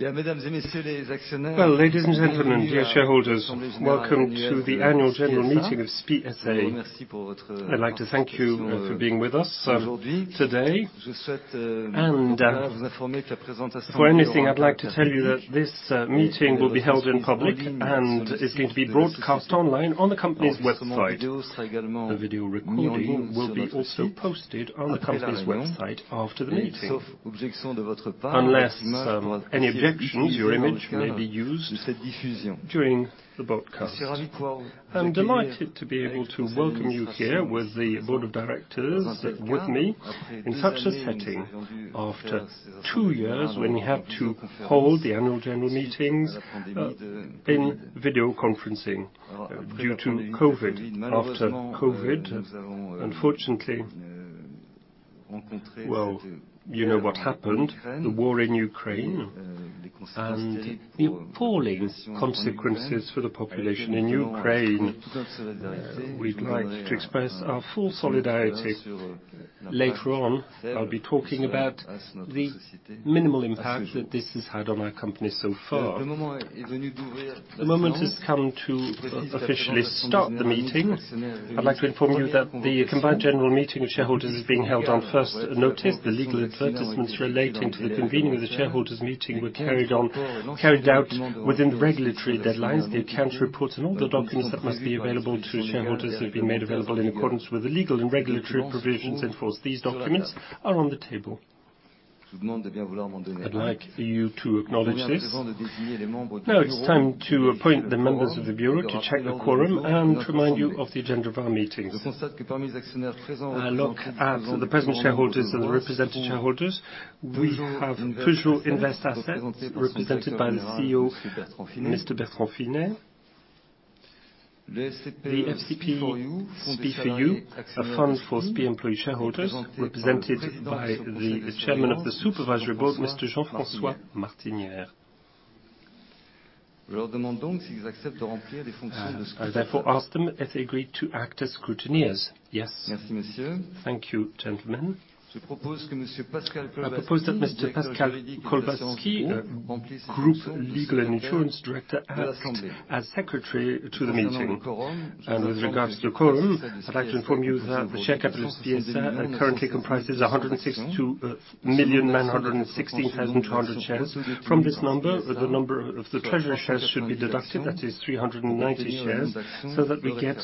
Well, ladies and gentlemen, dear shareholders, welcome to the Annual General Meeting of SPIE SA. I'd like to thank you for being with us today. First of all, I'd like to tell you that this meeting will be held in public and is going to be broadcast online on the company's website. The video recording will also be posted on the company's website after the meeting. Unless any objections, your image may be used during the broadcast. I'm delighted to be able to welcome you here with the board of directors with me in such a setting. After two years, when we had to hold the annual general meetings in video conferencing due to COVID. After COVID, unfortunately, well, you know what happened, the war in Ukraine and the appalling consequences for the population in Ukraine. We'd like to express our full solidarity. Later on, I'll be talking about the minimal impact that this has had on our company so far. The moment has come to officially start the meeting. I'd like to inform you that the combined general meeting of shareholders is being held on first notice. The legal advertisements relating to the convening of the shareholders' meeting were carried out within the regulatory deadlines. The account reports and all the documents that must be available to shareholders have been made available in accordance with the legal and regulatory provisions in force. These documents are on the table. I'd like you to acknowledge this. Now it's time to appoint the members of the bureau to check the quorum and remind you of the agenda of our meetings. Look at the present shareholders and the representative shareholders. We have Peugeot Invest Assets represented by the CEO, Mr. Bertrand Finet. The FCPE SPIE for you, a fund for SPIE employee shareholders, represented by the chairman of the supervisory board, Mr. Jean-François Martinet. I therefore ask them if they agree to act as scrutineers. Yes. Thank you, gentlemen. I propose that Mr. Pascal Colbatzky, group legal and insurance director, act as secretary to the meeting. With regards to the quorum, I'd like to inform you that the share capital of SPIE currently comprises 162,916,200 shares. From this number, the number of the treasury shares should be deducted, that is 390 shares, so that we get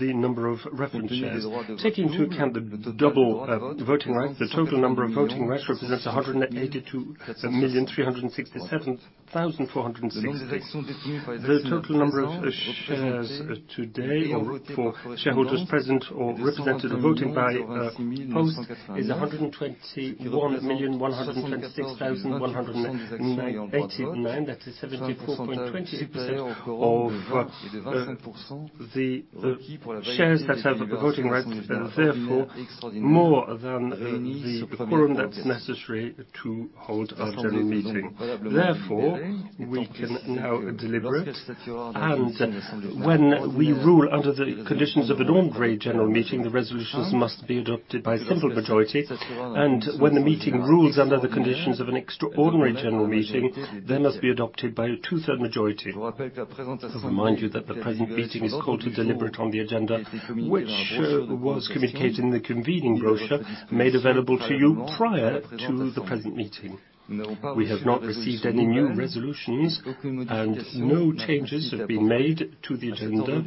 the number of reference shares. Taking into account the double voting rights, the total number of voting rights represents 182,367,460. The total number of shares today or for shareholders present or represented or voting by post is 121,126,298. That is 74.28% of the shares that have the voting rights, therefore more than the quorum that's necessary to hold our general meeting. Therefore, we can now deliberate. When we rule under the conditions of an ordinary general meeting, the resolutions must be adopted by simple majority. When the meeting rules under the conditions of an extraordinary general meeting, they must be adopted by a two-thirds majority. I remind you that the present meeting is called to deliberate on the agenda, which was communicated in the convening brochure made available to you prior to the present meeting. We have not received any new resolutions, and no changes have been made to the agenda.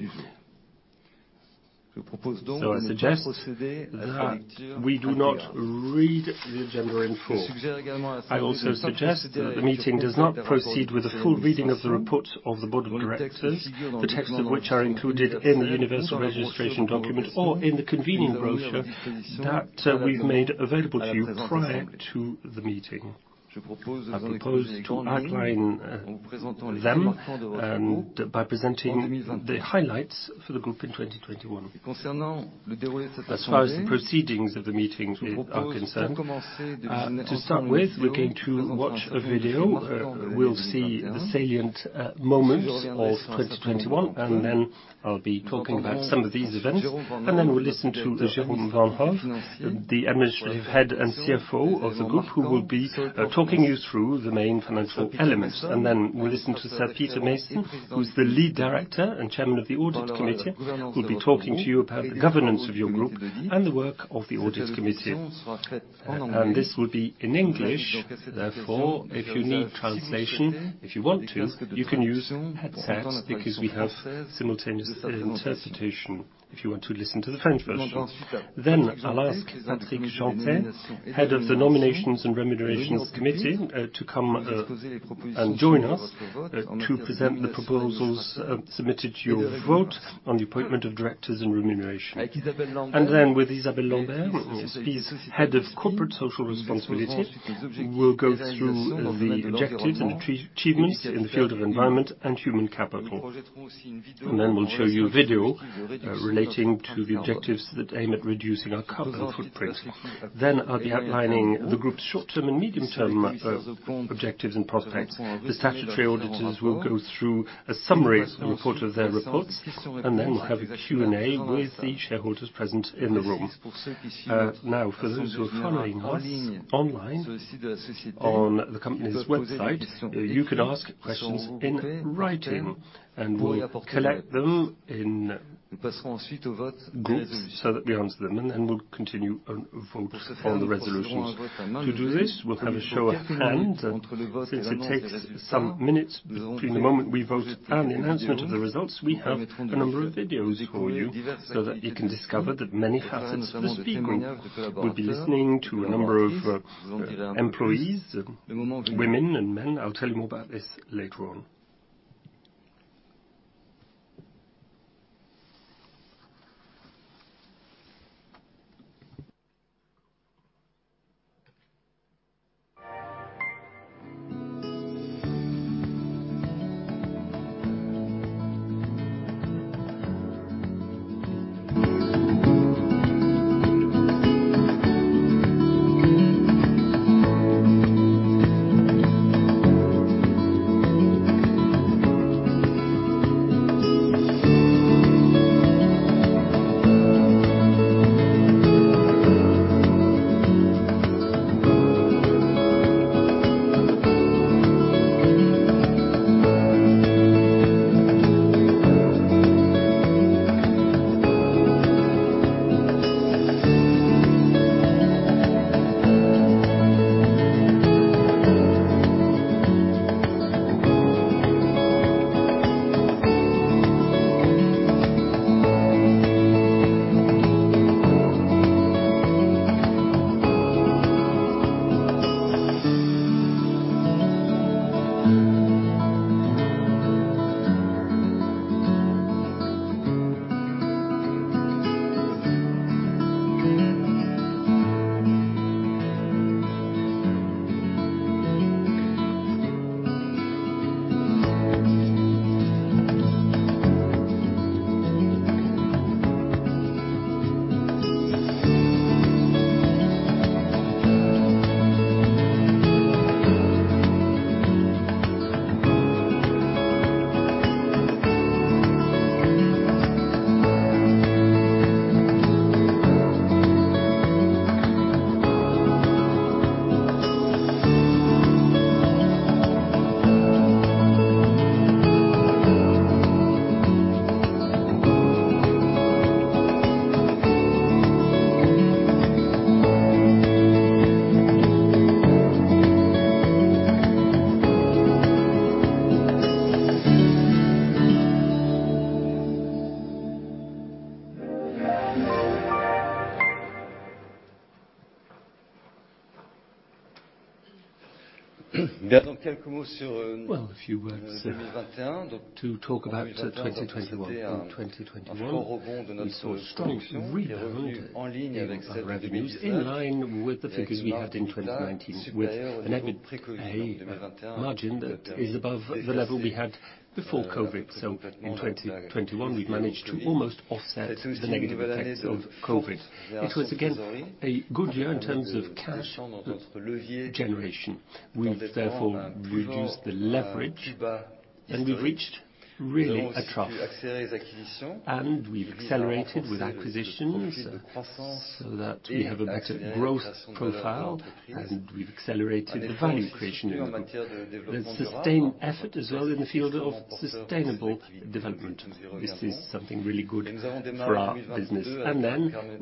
I suggest that we do not read the agenda in full. I also suggest that the meeting does not proceed with a full reading of the report of the Board of Directors, the text of which are included in the universal registration document or in the convening brochure that we've made available to you prior to the meeting. I propose to outline them and by presenting the highlights for the group in 2021. As far as the proceedings of the meeting are concerned, to start with, we're going to watch a video. We'll see the salient moments of 2021, and then I'll be talking about some of these events. We'll listen to Jérôme Vanhove, the administrative head and CFO of the group, who will be talking you through the main financial elements. We'll listen to Sir Peter Mason, who's the lead director and chairman of the Audit Committee, who'll be talking to you about the governance of your group and the work of the Audit Committee. This will be in English. Therefore, if you need translation, if you want to, you can use headsets because we have simultaneous interpretation if you want to listen to the French version. I'll ask Patrick Jeantet, head of the Nominations and Remuneration Committee, to come and join us to present the proposals submitted to your vote on the appointment of directors and remuneration. With Isabelle Lambert, SPIE's head of corporate social responsibility, we'll go through the objectives and achievements in the field of environment and human capital. We'll show you a video relating to the objectives that aim at reducing our carbon footprint. I'll be outlining the group's short-term and medium-term objectives and prospects. The statutory auditors will go through a summary report of their reports, and then we'll have a Q&A with the shareholders present in the room. Now, for those who are following us online on the company's website, you could ask questions in writing, and we'll collect them in groups so that we answer them, and then we'll continue and vote on the resolutions. To do this, we'll have a show of hands. Since it takes some minutes between the moment we vote and the announcement of the results, we have a number of videos for you so that you can discover the many facets of the SPIE group. We'll be listening to a number of employees, women and men. I'll tell you more about this later on. A few words to talk about 2021. In 2021, we saw a strong rebound in our revenues in line with the figures we had in 2019, with an EBITA margin that is above the level we had before COVID. In 2021, we've managed to almost offset the negative effects of COVID. It was again a good year in terms of cash generation. We've therefore reduced the leverage and we've reached really a trough, and we've accelerated with acquisitions, so that we have a better growth profile, and we've accelerated the value creation in the group. The sustained effort as well in the field of sustainable development. This is something really good for our business.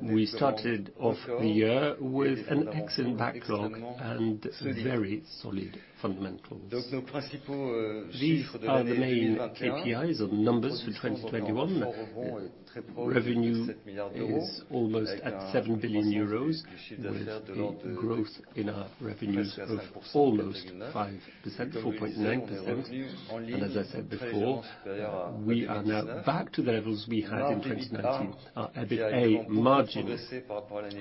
We started off the year with an excellent backlog and very solid fundamentals. These are the main KPIs or numbers for 2021. Revenue is almost at 7 billion euros. There is a growth in our revenues of almost 5%, 4.9%. As I said before, we are now back to the levels we had in 2019. Our EBITA margin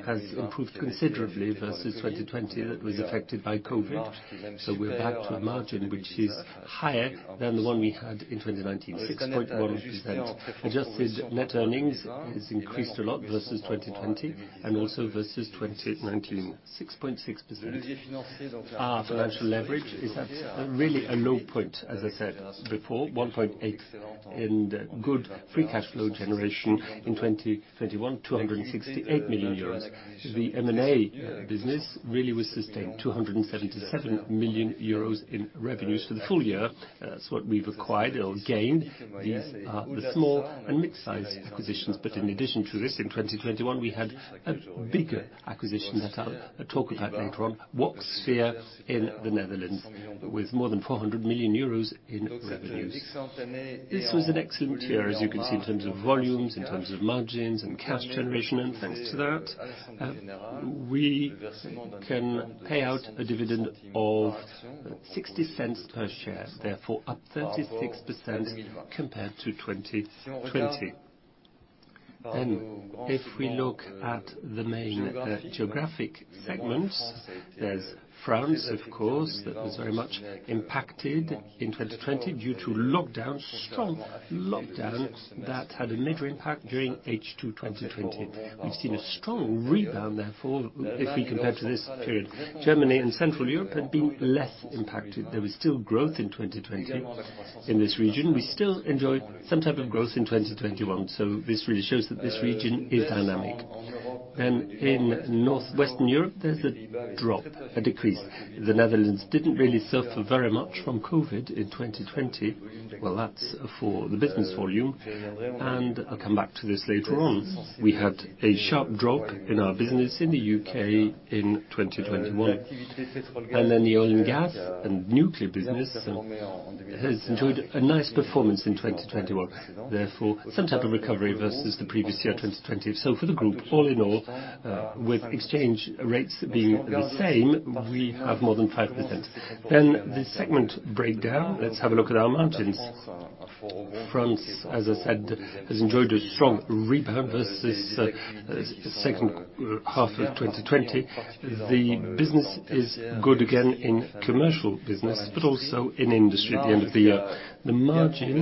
has improved considerably versus 2020 that was affected by COVID. We're back to a margin which is higher than the one we had in 2019, 6.1%. Adjusted net earnings has increased a lot versus 2020 and also versus 2019, 6.6%. Our financial leverage is at really a low point, as I said before, 1.8 and the good free cash flow generation in 2021, 268 million euros. The M&A business really was sustained, 277 million euros in revenues for the full year. That's what we've acquired or gained. These are the small and mid-size acquisitions. In addition to this, in 2021, we had a bigger acquisition that I'll talk about later on, Worksphere in the Netherlands with more than 400 million euros in revenues. This was an excellent year, as you can see, in terms of volumes, in terms of margins and cash generation. Thanks to that, we can pay out a dividend of 0.60 per share, therefore up 36% compared to 2020. If we look at the main geographic segments, there's France, of course, that was very much impacted in 2020 due to lockdown, strong lockdown that had a major impact during H2 2020. We've seen a strong rebound, therefore, if we compare to this period. Germany and Central Europe have been less impacted. There was still growth in 2020 in this region. We still enjoy some type of growth in 2021, so this really shows that this region is dynamic. In Northwestern Europe, there's a drop, a decrease. The Netherlands didn't really suffer very much from COVID in 2020. Well, that's for the business volume, and I'll come back to this later on. We had a sharp drop in our business in the UK in 2021. The oil and gas and nuclear business has enjoyed a nice performance in 2021, therefore some type of recovery versus the previous year, 2020. For the group, all in all, with exchange rates being the same, we have more than 5%. The segment breakdown, let's have a look at our margins. France, as I said, has enjoyed a strong rebound in the second half of 2020. The business is good again in commercial business, but also in industry at the end of the year. The margin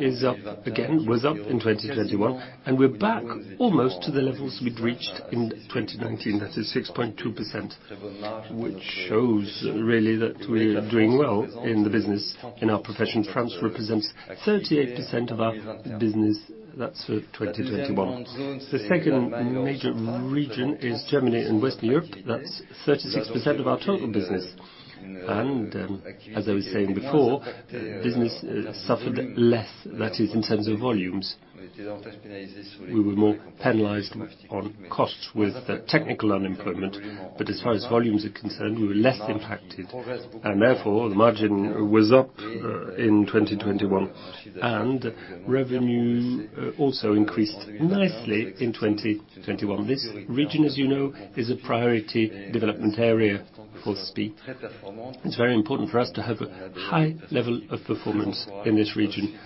is up again, was up in 2021, and we're back almost to the levels we'd reached in 2019. That is 6.2%, which shows really that we are doing well in the business in our profession. France represents 38% of our business. That's for 2021. The second major region is Germany and Western Europe. That's 36% of our total business. As I was saying before, business suffered less. That is, in terms of volumes. We were more penalized on costs with the technical unemployment. As far as volumes are concerned, we were less impacted. Therefore, the margin was up in 2021. Revenue also increased nicely in 2021. This region, as you know, is a priority development area for SPIE. It's very important for us to have a high level of performance in this region.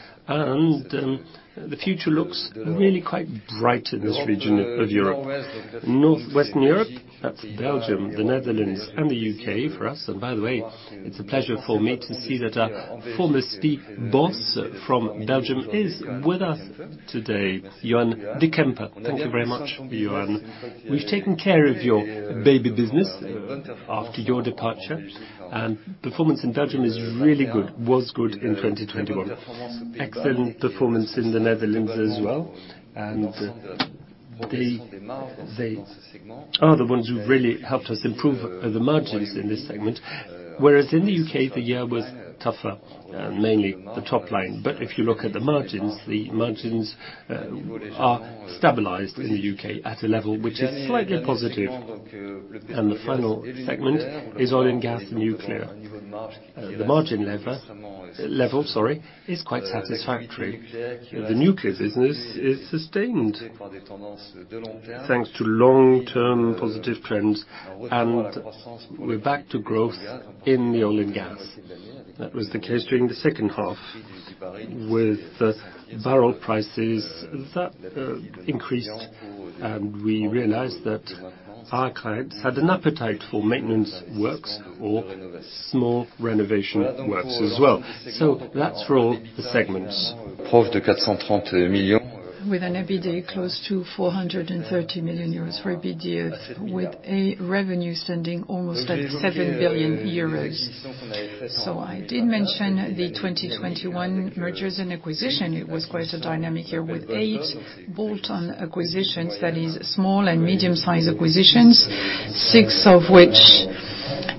The future looks really quite bright in this region of Europe. Northwestern Europe, that's Belgium, the Netherlands and the U.K. for us. By the way, it's a pleasure for me to see that a former SPIE boss from Belgium is with us today, Johan Dekempe. Thank you very much, Johan. We've taken care of your baby business after your departure. Performance in Belgium is really good. Was good in 2021. Excellent performance in the Netherlands as well. They are the ones who really helped us improve the margins in this segment. Whereas in the U.K., the year was tougher, mainly the top line. If you look at the margins, the margins are stabilized in the U.K. at a level which is slightly positive. The final segment is oil and gas and nuclear. The margin level, sorry, is quite satisfactory. The nuclear business is sustained thanks to long-term positive trends, and we're back to growth in the oil and gas. That was the case during the second half. With barrel prices that increased, and we realized that our clients had an appetite for maintenance works or small renovation works as well. That's for all the segments. With an EBITDA close to 430 million euros for EBITDA, with a revenue standing almost at 7 billion euros. I did mention the 2021 mergers and acquisition. It was quite a dynamic year with 8 bolt-on acquisitions, that is small and medium-sized acquisitions, 6 of which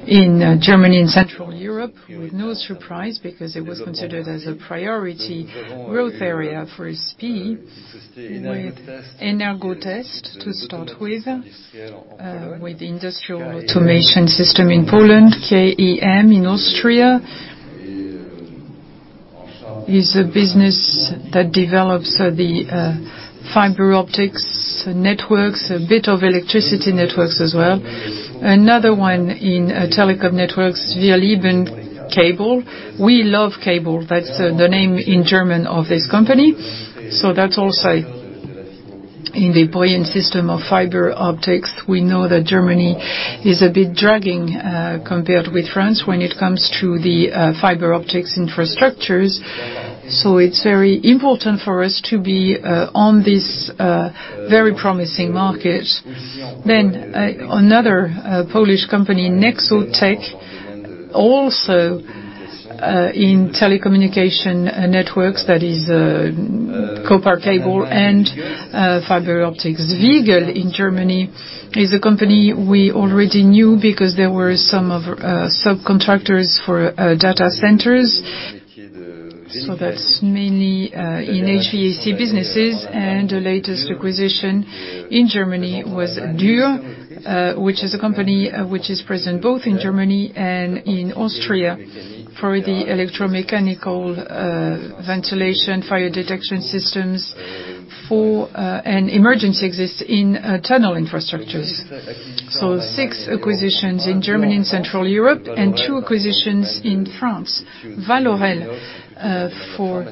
in Germany and Central Europe, with no surprise because it was considered as a priority growth area for SPIE. With Energotest to start with industrial automation system in Poland. KEM Montage in Austria is a business that develops the fiber optics networks, a bit of electricity networks as well. Another one in telecom networks, WirliebenKabel. "We love cable," that's the name in German of this company. That's also in the buoyant system of fiber optics. We know that Germany is a bit dragging compared with France when it comes to the fiber optics infrastructures. It's very important for us to be on this very promising market. Another Polish company, NexoTech, also in telecommunication networks, that is, copper cable and fiber optics. Wiegel in Germany is a company we already knew because there were some subcontractors for data centers. That's mainly in HVAC businesses. The latest acquisition in Germany was DÜRR, which is a company which is present both in Germany and in Austria for the electromechanical ventilation, fire detection systems for emergency exits in tunnel infrastructures. Six acquisitions in Germany and Central Europe, and two acquisitions in France. Valorel for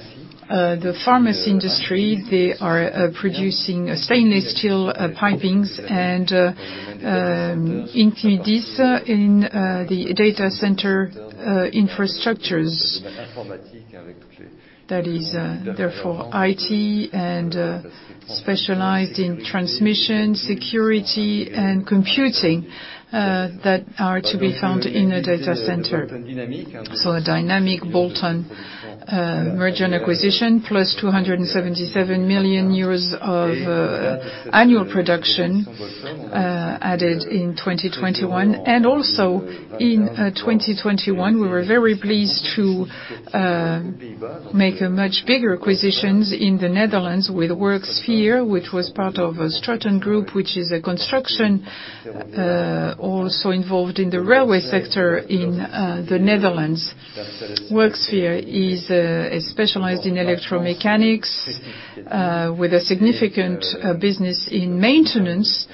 the pharmacy industry. They are producing stainless steel pipings, and Intmedix in the data center infrastructures. That is therefore IT and specialized in transmission, security, and computing that are to be found in a data center. A dynamic bolt-on merger and acquisition, plus 277 million euros of annual production added in 2021. In 2021, we were very pleased to make a much bigger acquisition in the Netherlands with Worksphere, which was part of a Strukton group, which is a construction also involved in the railway sector in the Netherlands. Worksphere is specialized in electromechanics with a significant business in maintenance.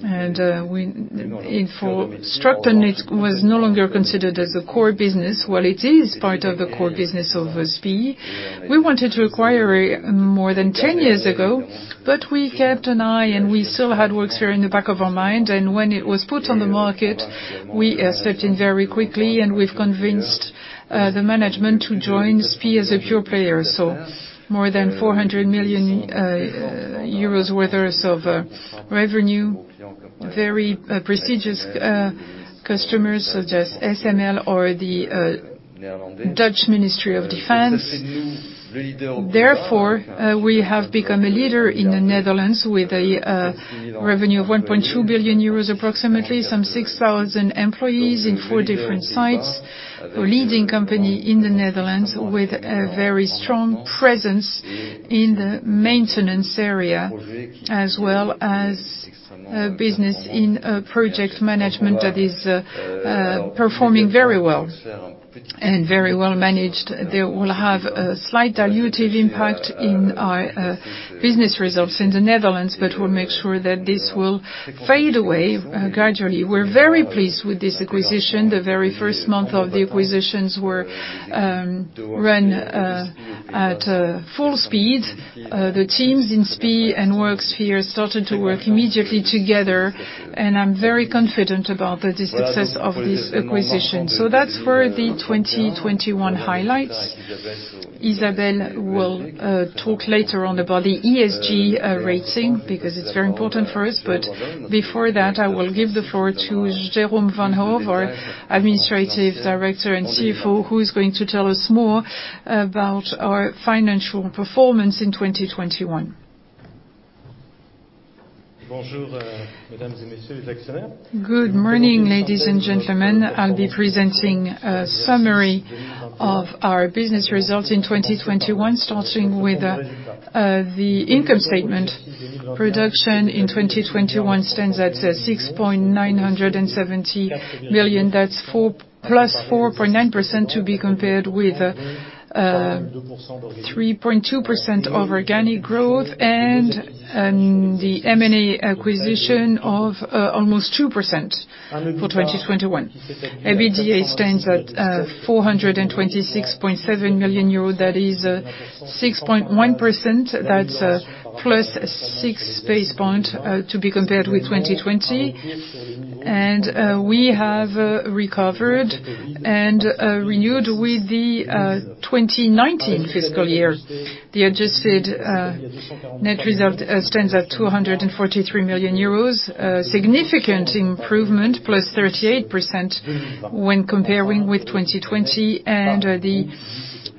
For Strukton it was no longer considered as a core business, while it is part of the core business of SPIE. We wanted to acquire it more than 10 years ago, but we kept an eye, and we still had Worksphere in the back of our mind, and when it was put on the market, we stepped in very quickly, and we've convinced the management to join SPIE as a pure player. More than EUR 400 million worth of revenue. Very prestigious customers such as ASML or the Dutch Ministry of Defense. Therefore, we have become a leader in the Netherlands with a revenue of 1.2 billion euros, approximately some 6,000 employees in four different sites. A leading company in the Netherlands with a very strong presence in the maintenance area, as well as a business in project management that is performing very well and very well managed. They will have a slight dilutive impact in our business results in the Netherlands, but we'll make sure that this will fade away gradually. We're very pleased with this acquisition. The very first month of the acquisitions were ran at full speed. The teams in SPIE and Worksphere started to work immediately together, and I'm very confident about the success of this acquisition. That's for the 2021 highlights. Isabelle will talk later on about the ESG rating because it's very important for us. Before that, I will give the floor to Jérôme Vanhove, our Administrative Director and CFO, who is going to tell us more about our financial performance in 2021. Good morning, ladies and gentlemen. I'll be presenting a summary of our business results in 2021, starting with the income statement. Revenue in 2021 stands at 697 million. That's plus 4.9% to be compared with 3.2% of organic growth and the M&A acquisition of almost 2% for 2021. EBITDA stands at 426.7 million euros. That is 6.1%. That's plus 6 basis points to be compared with 2020. We have recovered and renewed with the 2019 fiscal year. The adjusted net result stands at 243 million euros. A significant improvement, plus 38% when comparing with 2020. The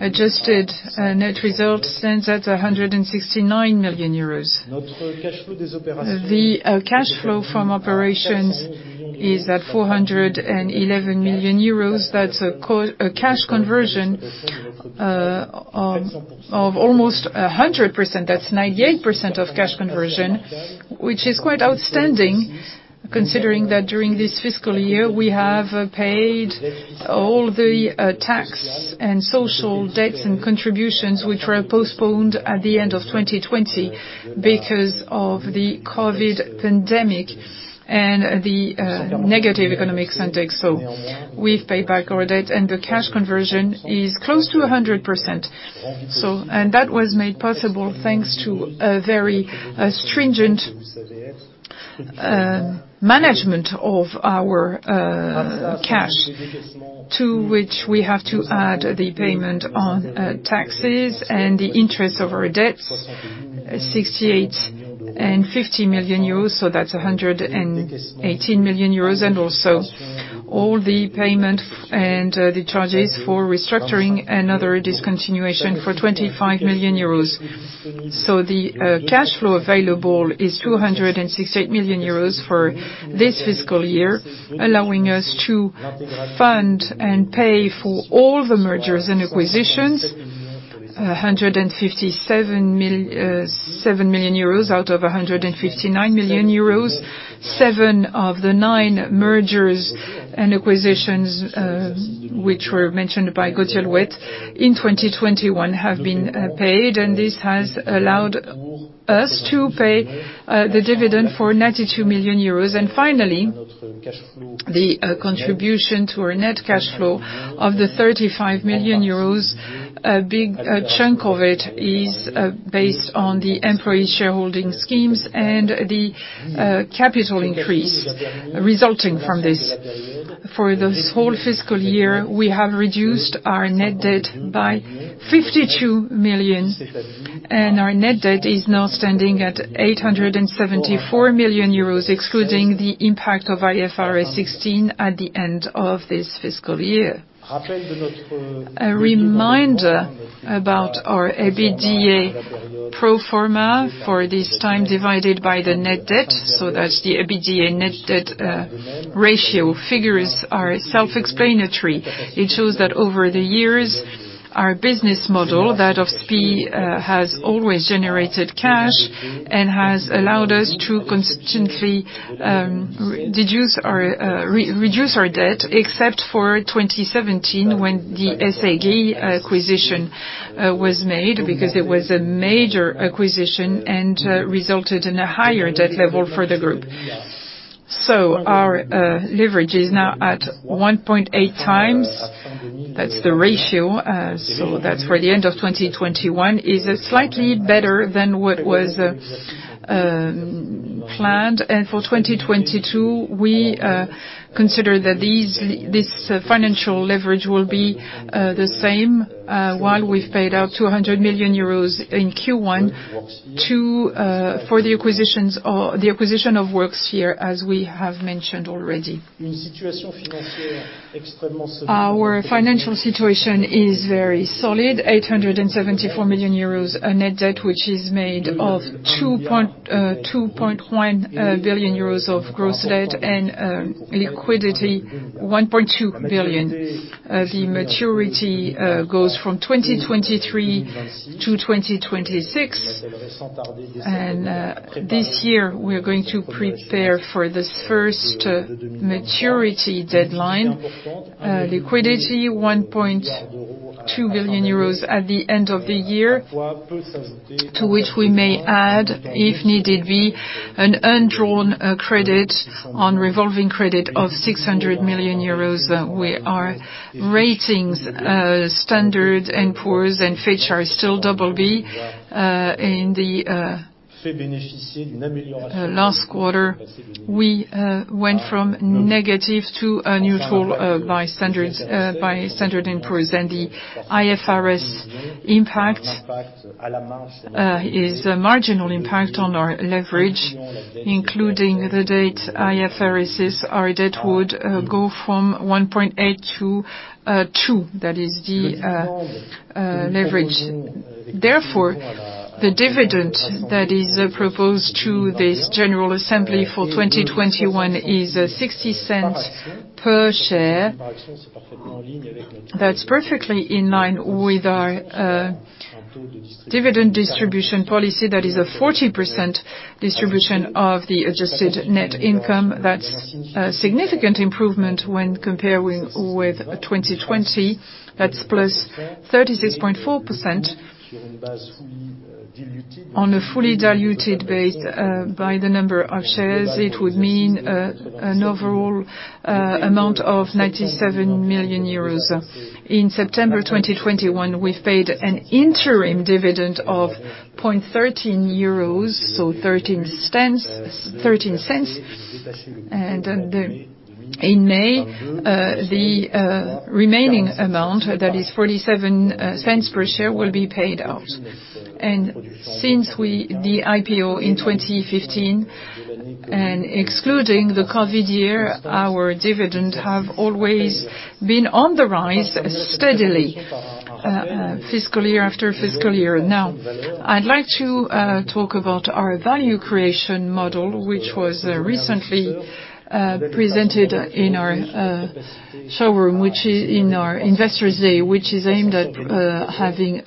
adjusted net result stands at 169 million euros. The cash flow from operations is at 411 million euros. That's a cash conversion of almost 100%. That's 98% cash conversion, which is quite outstanding considering that during this fiscal year we have paid all the tax and social debts and contributions which were postponed at the end of 2020 because of the COVID pandemic and the negative economic context. We've paid back our debt, and the cash conversion is close to 100%. That was made possible thanks to a very stringent management of our cash, to which we have to add the payment on taxes and the interest of our debt, 68 million and 50 million euros, so that's 118 million euros and also all the payment and the charges for restructuring another discontinuation for 25 million euros. The cash flow available is 268 million euros for this fiscal year, allowing us to fund and pay for all the mergers and acquisitions, 157 million euros out of 159 million euros. Seven of the nine mergers and acquisitions, which were mentioned by Gauthier Louette in 2021, have been paid, and this has allowed us to pay the dividend for 92 million euros. Finally, the contribution to our net cash flow of the 35 million euros, a big chunk of it is based on the employee shareholding schemes and the capital increase resulting from this. For this whole fiscal year, we have reduced our net debt by 52 million, and our net debt is now standing at 874 million euros, excluding the impact of IFRS 16 at the end of this fiscal year. A reminder about our EBITDA pro forma for this time divided by the net debt, so that's the EBITDA net debt ratio. Figures are self-explanatory. It shows that over the years, our business model, that of SPIE, has always generated cash and has allowed us to consistently reduce our debt, except for 2017 when the SAG acquisition was made, because it was a major acquisition and resulted in a higher debt level for the group. Our leverage is now at 1.8 times. That's the ratio. That's for the end of 2021, is slightly better than what was planned. For 2022, we consider that these this financial leverage will be the same, while we've paid out 200 million euros in Q1 to for the acquisitions or the acquisition of Worksphere, as we have mentioned already. Our financial situation is very solid, 874 million euros net debt, which is made of 2.1 billion euros of gross debt and liquidity 1.2 billion. The maturity goes from 2023 to 2026. This year we are going to prepare for this first maturity deadline. Liquidity 1.2 billion euros at the end of the year, to which we may add, if need be, an undrawn credit on revolving credit of 600 million euros that we are rated Standard & Poor's and Fitch are still BB. In the last quarter, we went from negative to neutral by Standard & Poor's. The IFRS impact is a marginal impact on our leverage, including the latest IFRSs, our debt would go from 1.8 to 2. That is the leverage. Therefore, the dividend that is proposed to this general assembly for 2021 is 0.60 per share. That's perfectly in line with our dividend distribution policy, that is a 40% distribution of the adjusted net income. That's a significant improvement when comparing with 2020. That's +36.4%. On a fully diluted base, by the number of shares, it would mean, an overall, amount of 97 million euros. In September 2021, we paid an interim dividend of 0.13 euros, so 13 cents. In May, the remaining amount, that is 0.47 EUR per share, will be paid out. Since the IPO in 2015, and excluding the COVID year, our dividend have always been on the rise steadily, fiscal year after fiscal year. Now, I'd like to talk about our value creation model, which was recently presented in our showroom, which in our Investors Day, which is aimed at having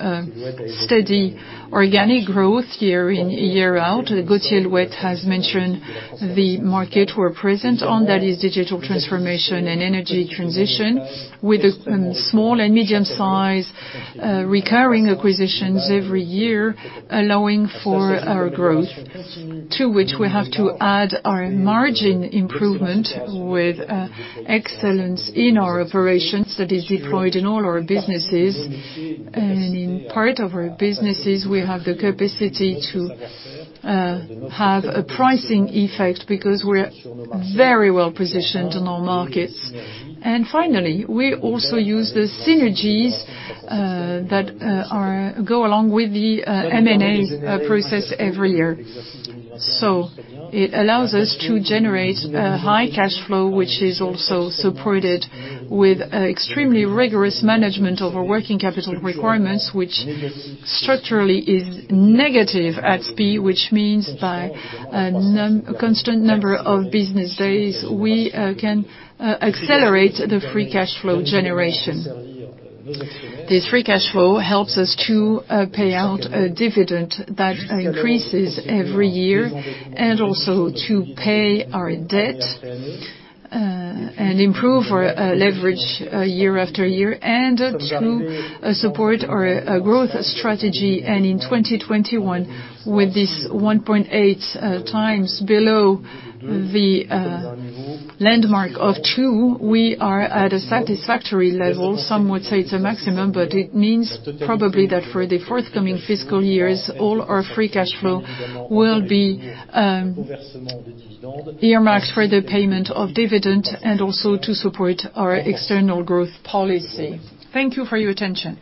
steady organic growth year in, year out. Gauthier Louette has mentioned the market we're present on, that is digital transformation and energy transition, with small and medium-size recurring acquisitions every year allowing for our growth, to which we have to add our margin improvement with excellence in our operations that is deployed in all our businesses. In part of our businesses, we have the capacity to have a pricing effect because we're very well positioned in our markets. Finally, we also use the synergies that go along with the M&A process every year. It allows us to generate a high cash flow, which is also supported with extremely rigorous management over working capital requirements, which structurally is negative at SPIE, which means by a constant number of business days, we can accelerate the free cash flow generation. The free cash flow helps us to pay out a dividend that increases every year and also to pay our debt and improve our leverage year after year, and to support our growth strategy. In 2021, with this 1.8 times below the landmark of 2, we are at a satisfactory level. Some would say it's a maximum, but it means probably that for the forthcoming fiscal years, all our free cash flow will be earmarked for the payment of dividend and also to support our external growth policy. Thank you for your attention.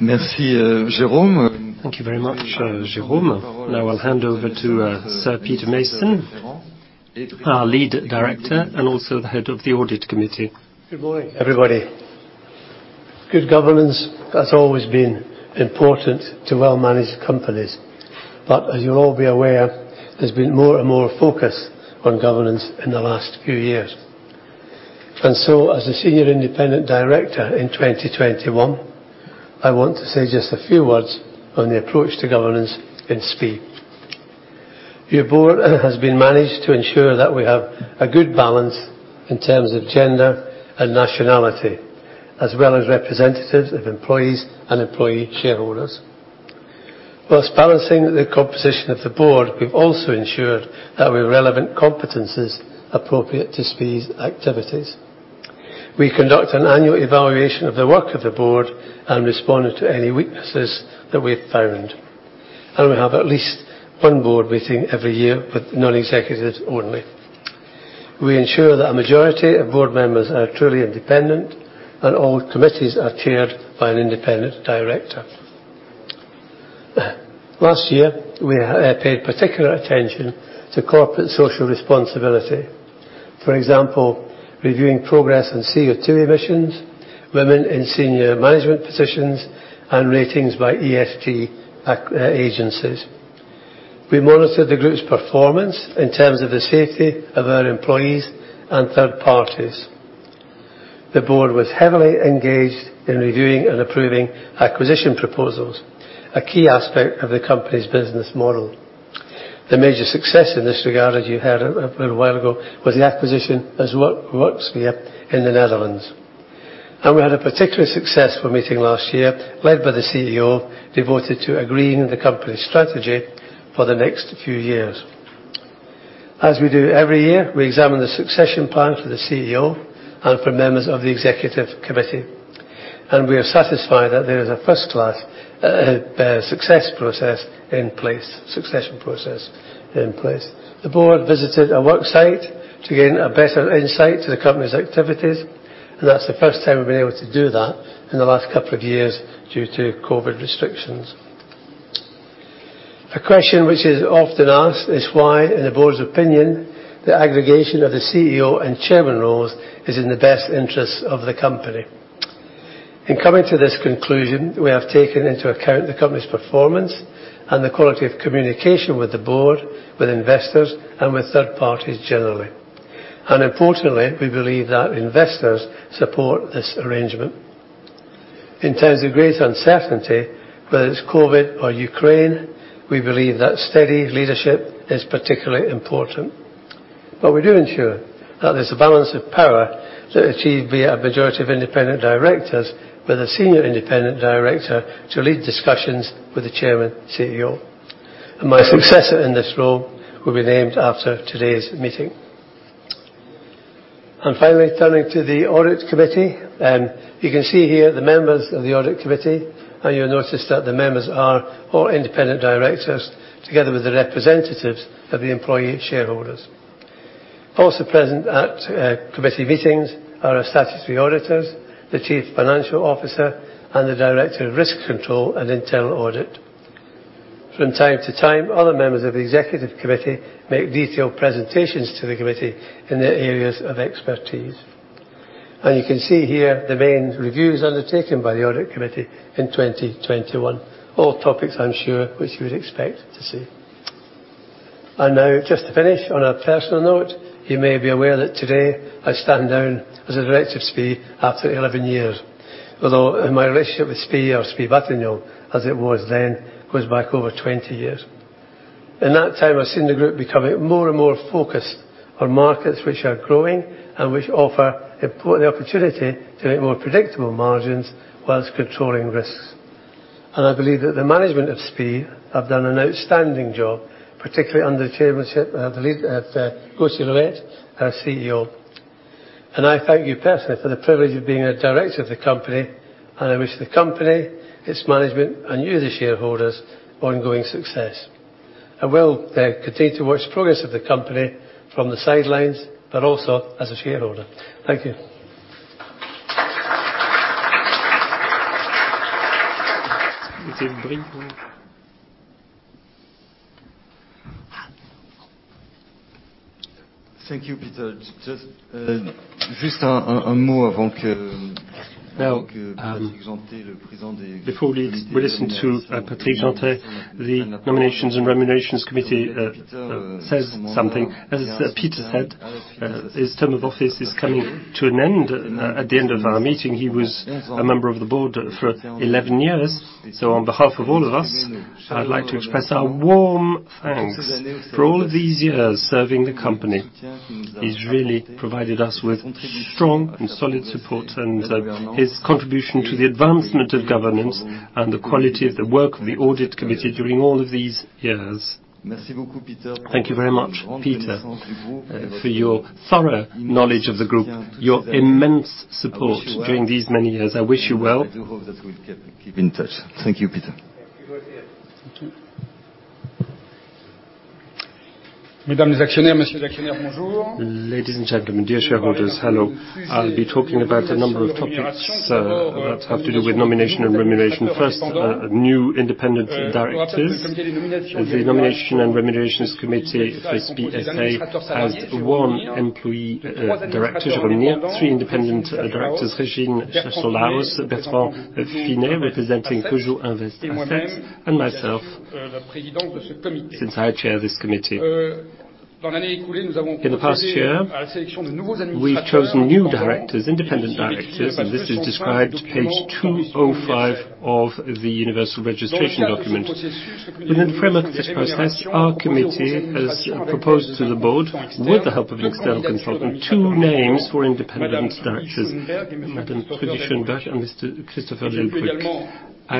Merci, Jérôme. Thank you very much, Jérôme. Now I'll hand over to Sir Peter Mason, our lead director and also the head of the audit committee. Good morning, everybody. Good governance has always been important to well-managed companies. As you'll all be aware, there's been more and more focus on governance in the last few years. As a senior independent director in 2021, I want to say just a few words on the approach to governance in SPIE. The board has been managed to ensure that we have a good balance in terms of gender and nationality, as well as representatives of employees and employee shareholders. While balancing the composition of the board, we've also ensured that we have relevant competencies appropriate to SPIE's activities. We conduct an annual evaluation of the work of the board and responded to any weaknesses that we've found. We have at least one board meeting every year with non-executives only. We ensure that a majority of board members are truly independent, and all committees are chaired by an independent director. Last year, we paid particular attention to corporate social responsibility. For example, reviewing progress in CO2 emissions, women in senior management positions, and ratings by ESG agencies. We monitor the group's performance in terms of the safety of our employees and third parties. The board was heavily engaged in reviewing and approving acquisition proposals, a key aspect of the company's business model. The major success in this regard, as you heard a little while ago, was the acquisition of Worksphere here in the Netherlands. We had a particularly successful meeting last year, led by the CEO, devoted to agreeing the company's strategy for the next few years. As we do every year, we examine the succession plan for the CEO and for members of the executive committee, and we are satisfied that there is a first-class succession process in place. The board visited a work site to gain a better insight to the company's activities, and that's the first time we've been able to do that in the last couple of years due to COVID restrictions. A question which is often asked is why, in the board's opinion, the aggregation of the CEO and chairman roles is in the best interest of the company. In coming to this conclusion, we have taken into account the company's performance and the quality of communication with the board, with investors, and with third parties generally. Importantly, we believe that investors support this arrangement. In times of great uncertainty, whether it's COVID or Ukraine, we believe that steady leadership is particularly important. We do ensure that there's a balance of power to achieve via a majority of independent directors with a senior independent director to lead discussions with the chairman CEO. My successor in this role will be named after today's meeting. Finally, turning to the audit committee, you can see here the members of the audit committee, and you'll notice that the members are all independent directors together with the representatives of the employee shareholders. Also present at committee meetings are our statutory auditors, the chief financial officer, and the director of risk control and internal audit. From time to time, other members of the executive committee make detailed presentations to the committee in their areas of expertise. You can see here the main reviews undertaken by the audit committee in 2021. All topics I'm sure which you would expect to see. Now, just to finish on a personal note, you may be aware that today I stand down as a director of SPIE after 11 years. Although my relationship with SPIE or Spie batignolles, as it was then, goes back over 20 years. In that time, I've seen the group becoming more and more focused on markets which are growing and which offer the opportunity to make more predictable margins while controlling risks. I believe that the management of SPIE have done an outstanding job, particularly under the chairmanship of Gauthier Louette, our CEO. I thank you personally for the privilege of being a director of the company, and I wish the company, its management, and you, the shareholders, ongoing success. I will continue to watch the progress of the company from the sidelines, but also as a shareholder. Thank you. Thank you, Peter. Just, Now, before we listen to Patrick Jeantet, the Nominations and Remuneration Committee, says something. As Peter said, his term of office is coming to an end at the end of our meeting. He was a member of the board for 11 years. On behalf of all of us, I'd like to express our warm thanks for all of these years serving the company. He's really provided us with strong and solid support, and his contribution to the advancement of governance and the quality of the work of the audit committee during all of these years. Thank you very much, Peter, for your thorough knowledge of the group, your immense support during these many years. I wish you well. I do hope that we keep in touch. Thank you, Peter. Thank you. Ladies and gentlemen, dear shareholders, hello. I'll be talking about a number of topics that have to do with nomination and remuneration. First, new independent directors. The Nominations and Remuneration Committee for SPIE has one employee director, Jean-Pierre, three independent directors, Régine Stachelhaus, Bertrand Finet, representing Peugeot Invest Assets, and myself, since I chair this committee. In the past year, we've chosen new directors, independent directors, and this is described page 205 of the universal registration document. Within the framework of this process, our committee has proposed to the board, with the help of the external consultant, two names for independent directors, Madam Trudy Schoolenberg and Mr. Christopher Delbrück. We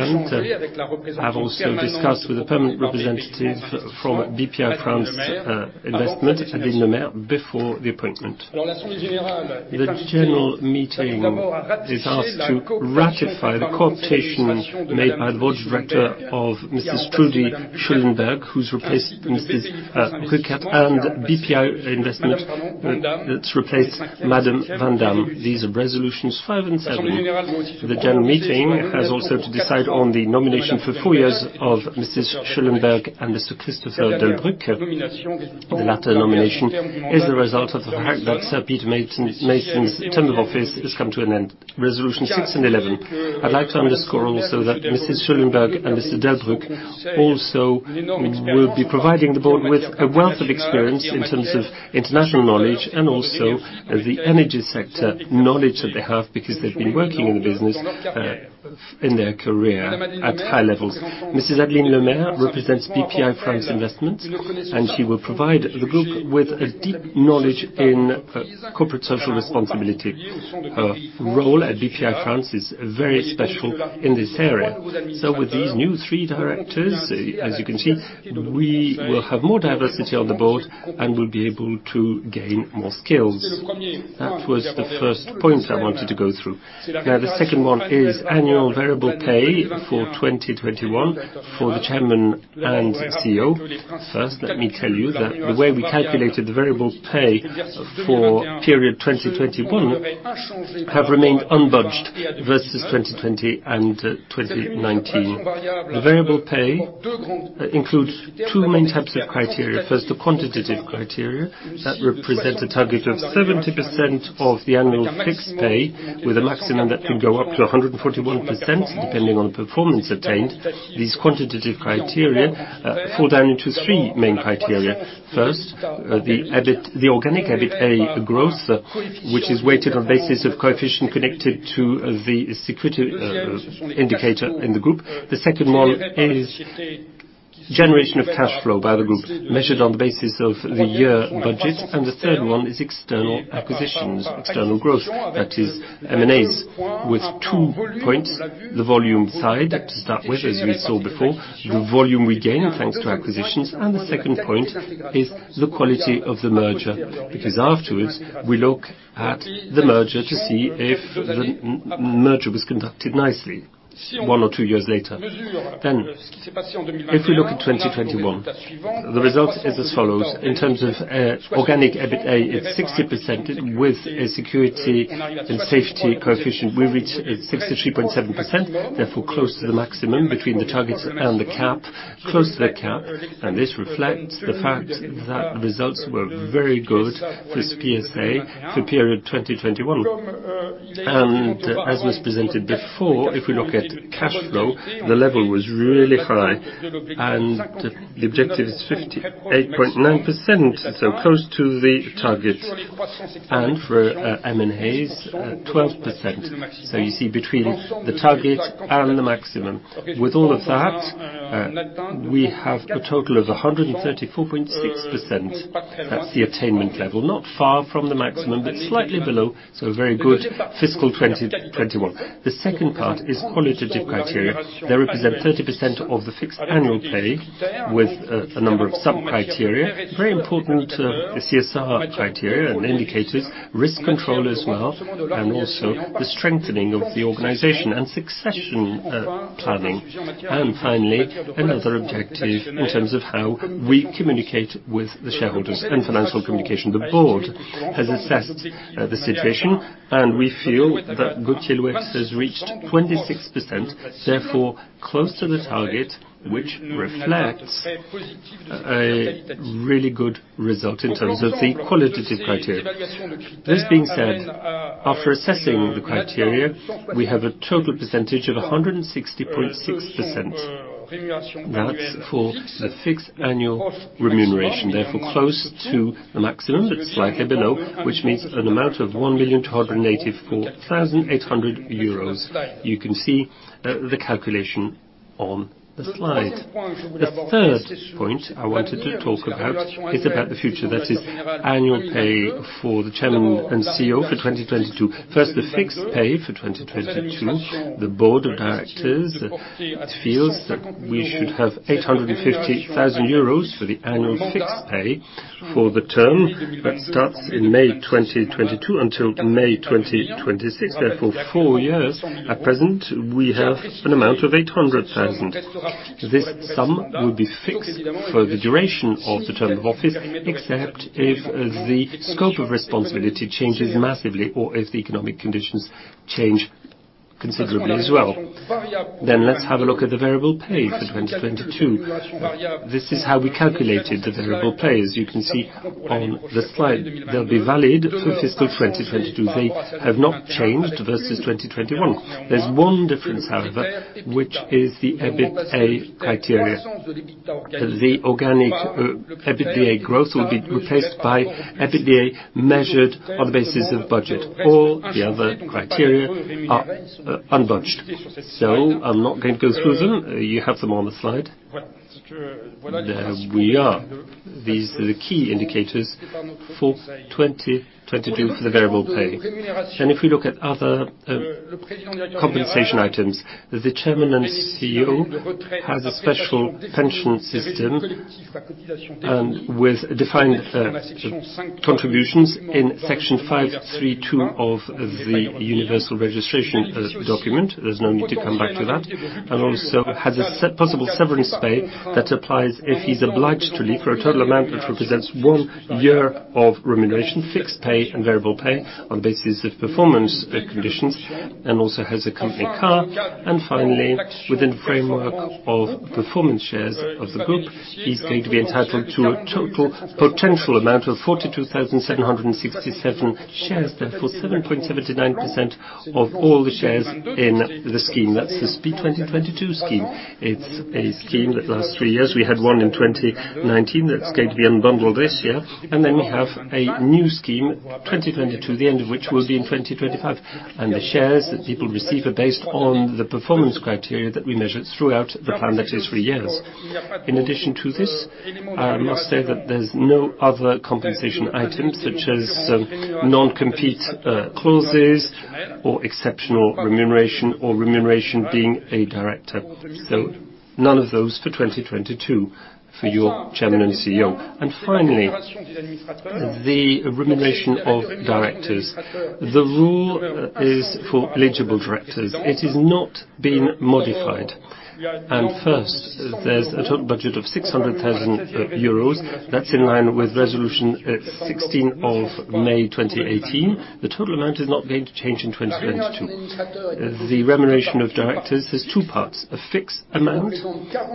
have also discussed with the permanent representative from Bpifrance Investissement, Adeline Lemaire, before the appointment. The general meeting is asked to ratify the cooptation made by the board of directors of Mrs. Trudy Schoolenberg, who's replaced Mrs. Rueckert, and Bpifrance Investissement that's replaced Madame Van Damme. These are resolutions 5 and 7. The general meeting has also to decide on the nomination for 4 years of Mrs. Schoolenberg and Mr. Christopher Delbrück. The latter nomination is the result of the fact that Sir Peter Mason's term of office has come to an end. Resolution 6 and 11. I'd like to underscore also that Mrs. Schoolenberg and Mr. Delbrück also will be providing the board with a wealth of experience in terms of international knowledge and also the energy sector knowledge that they have because they've been working in the business, in their career at high levels. Mrs. Adeline Lemaire represents Bpifrance Investissement, and she will provide the group with a deep knowledge in corporate social responsibility. Her role at Bpifrance is very special in this area. With these new three directors, as you can see, we will have more diversity on the board and will be able to gain more skills. That was the first point I wanted to go through. Now, the second one is annual variable pay for 2021 for the chairman and CEO. First, let me tell you that the way we calculated the variable pay for period 2021 have remained unchanged versus 2020 and 2019. The variable pay includes two main types of criteria. First, the quantitative criteria that represent a target of 70% of the annual fixed pay with a maximum that can go up to 141% depending on the performance attained. These quantitative criteria break down into three main criteria. First, the EBIT, the organic EBITA gross, which is weighted on basis of coefficient connected to the security indicator in the group. The second one is generation of cash flow by the group, measured on the basis of the year budgets. The third one is external acquisitions, external growth, that is M&As with two points, the volume side to start with, as we saw before, the volume we gain thanks to acquisitions. The second point is the quality of the merger, because afterwards, we look at the merger to see if the merger was conducted nicely one or two years later. If we look at 2021, the result is as follows. In terms of organic EBITA, it's 60% with a security and safety coefficient. We reach 63.7%, therefore close to the maximum between the targets and the cap, close to the cap. This reflects the fact that the results were very good for PSA for period 2021. As was presented before, if we look at cash flow, the level was really high and the objective is 58.9%, so close to the target. For M&As, 12%. You see between the target and the maximum. With all of that, we have a total of 134.6%. That's the attainment level, not far from the maximum, but slightly below, very good fiscal 2021. The second part is qualitative criteria. They represent 30% of the fixed annual pay with a number of sub-criteria. Very important, CSR criteria and indicators, risk control as well, and also the strengthening of the organization and succession, planning. Finally, another objective in terms of how we communicate with the shareholders and financial communication. The board has assessed, the situation, and we feel that good takeaways has reached 26%, therefore close to the target, which reflects a really good result in terms of the qualitative criteria. This being said, after assessing the criteria, we have a total percentage of 160.6%. That's for the fixed annual remuneration, therefore close to the maximum. It's slightly below, which means an amount of 1,284,800 euros. You can see, the calculation here. On the slide. The third point I wanted to talk about is about the future. That is annual pay for the chairman and CEO for 2022. First, the fixed pay for 2022. The board of directors feels that we should have 850 thousand euros for the annual fixed pay for the term that starts in May 2022 until May 2026, therefore four years. At present, we have an amount of 800 thousand. This sum will be fixed for the duration of the term of office, except if the scope of responsibility changes massively or if the economic conditions change considerably as well. Let's have a look at the variable pay for 2022. This is how we calculated the variable pay. As you can see on the slide, they'll be valid for fiscal 2022. They have not changed versus 2021. There's one difference, however, which is the EBITA criteria. The organic EBITA growth will be replaced by EBITA measured on the basis of budget. All the other criteria are unchanged. I'm not going to go through them. You have them on the slide. There we are. These are the key indicators for 2022 for the variable pay. If we look at other compensation items, the Chairman and CEO has a special pension system and with defined contributions in Section 532 of the universal registration document. There's no need to come back to that. Also has a possible severance pay that applies if he's obliged to leave for a total amount, which represents one year of remuneration, fixed pay and variable pay on basis of performance conditions, and also has a company car. Finally, within the framework of performance shares of the group, he's going to be entitled to a total potential amount of 42,767 shares, therefore 7.79% of all the shares in the scheme. That's the SPIE 2022 scheme. It's a scheme that lasts three years. We had one in 2019 that's going to be unbundled this year. We have a new scheme, 2022, the end of which will be in 2025. The shares that people receive are based on the performance criteria that we measured throughout the plan. That is three years. In addition to this, I must say that there's no other compensation items such as non-compete clauses or exceptional remuneration or remuneration being a director. None of those for 2022 for your chairman and CEO. Finally, the remuneration of directors. The rule is for eligible directors. It has not been modified. First, there's a total budget of 600,000 euros. That's in line with resolution 16 of May 2018. The total amount is not going to change in 2022. The remuneration of directors has two parts, a fixed amount,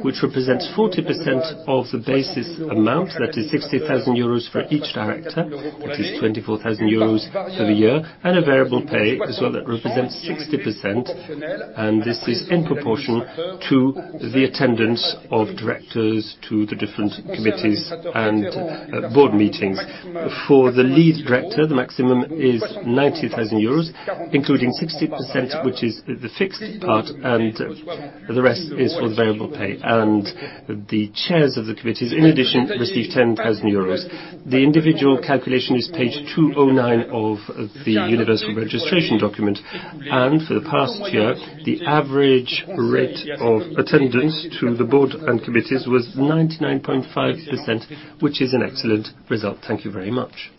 which represents 40% of the basis amount, that is 60,000 euros for each director. That is 24,000 euros for the year. A variable pay as well that represents 60%. This is in proportion to the attendance of directors to the different committees and board meetings. For the lead director, the maximum is 90,000 euros, including 60%, which is the fixed part, and the rest is for the variable pay. The chairs of the committees, in addition, receive 10,000 euros. The individual calculation is page 209 of the universal registration document. For the past year, the average rate of attendance to the board and committees was 99.5%, which is an excellent result. Thank you very much.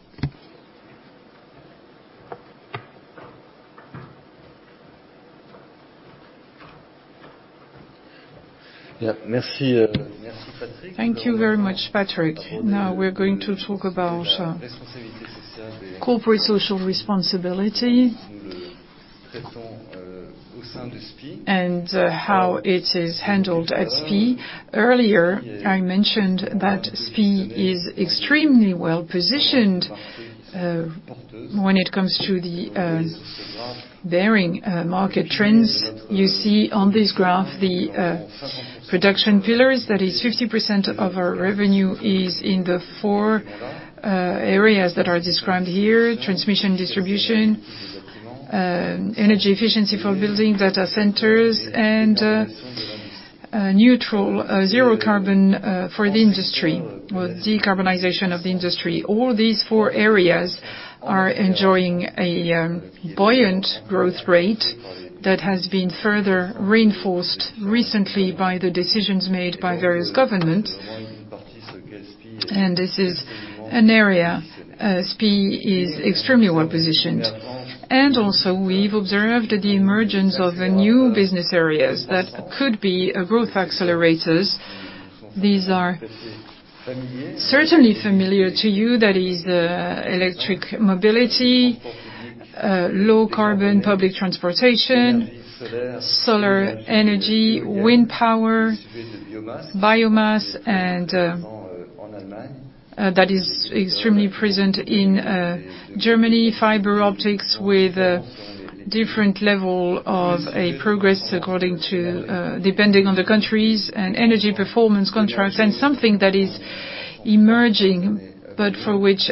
Yeah. Merci, thank you very much, Patrick. Now we're going to talk about corporate social responsibility and how it is handled at SPIE. Earlier, I mentioned that SPIE is extremely well-positioned when it comes to market trends. You see on this graph the production pillars. That is 50% of our revenue is in the four areas that are described here: transmission & distribution, energy efficiency for building data centers, and net-zero carbon for the industry, or decarbonization of the industry. All these four areas are enjoying a buoyant growth rate that has been further reinforced recently by the decisions made by various governments. This is an area SPIE is extremely well-positioned. We've observed the emergence of new business areas that could be growth accelerators. These are certainly familiar to you. That is, electric mobility, low carbon public transportation, solar energy, wind power, biomass, and that is extremely present in Germany, fiber optics with a different level of a progress according to, depending on the countries and energy performance contracts. Something that is emerging, but for which,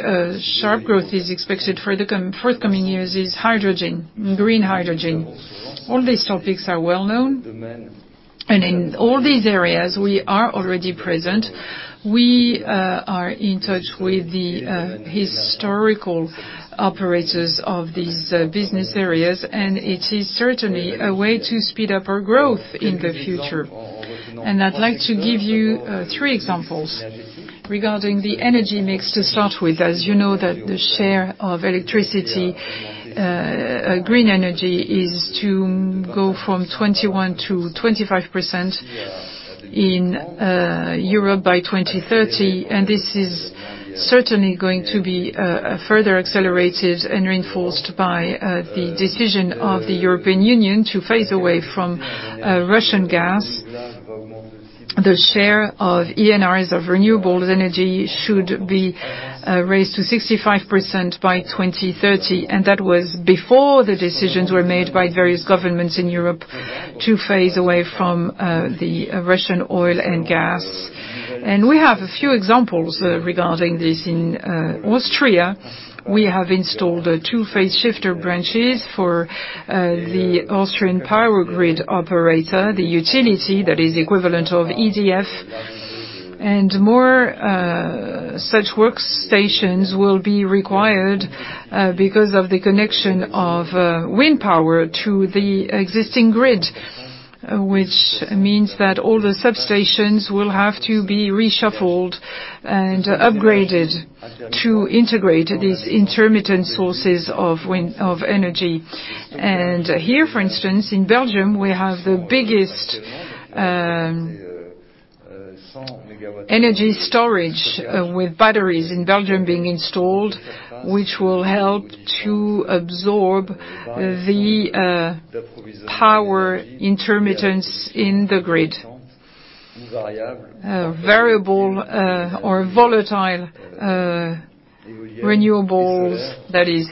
sharp growth is expected for the forthcoming years is hydrogen, green hydrogen. All these topics are well-known, and in all these areas we are already present. We are in touch with the historical operators of these business areas, and it is certainly a way to speed up our growth in the future. I'd like to give you three examples regarding the energy mix to start with. As you know, the share of green energy in electricity is to go from 21 to 25% in Europe by 2030, and this is certainly going to be further accelerated and reinforced by the decision of the European Union to phase out Russian gas. The share of EnR, of renewable energy, should be raised to 65% by 2030, and that was before the decisions were made by various governments in Europe to phase out the Russian oil and gas. We have a few examples regarding this. In Austria, we have installed two phase shifter branches for the Austrian Power Grid operator, the utility that is equivalent to EDF. More such workstations will be required because of the connection of wind power to the existing grid, which means that all the substations will have to be reshuffled and upgraded to integrate these intermittent sources of wind energy. Here, for instance, in Belgium, we have the biggest energy storage with batteries in Belgium being installed, which will help to absorb the power intermittency in the grid. Variable or volatile renewables, that is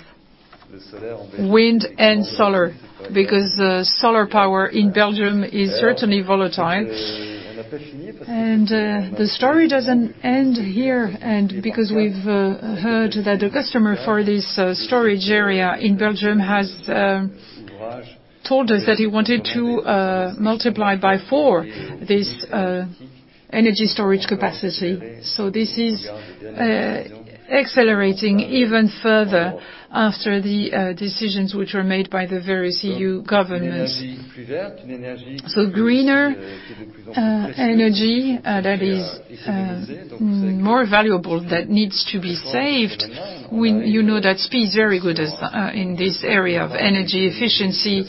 wind and solar, because the solar power in Belgium is certainly volatile. The story doesn't end here, and because we've heard that a customer for this storage area in Belgium has told us that he wanted to multiply by 4 this energy storage capacity. This is accelerating even further after the decisions which were made by the various EU governments. Greener energy that is more valuable that needs to be saved. You know that SPIE's very good in this area of energy efficiency.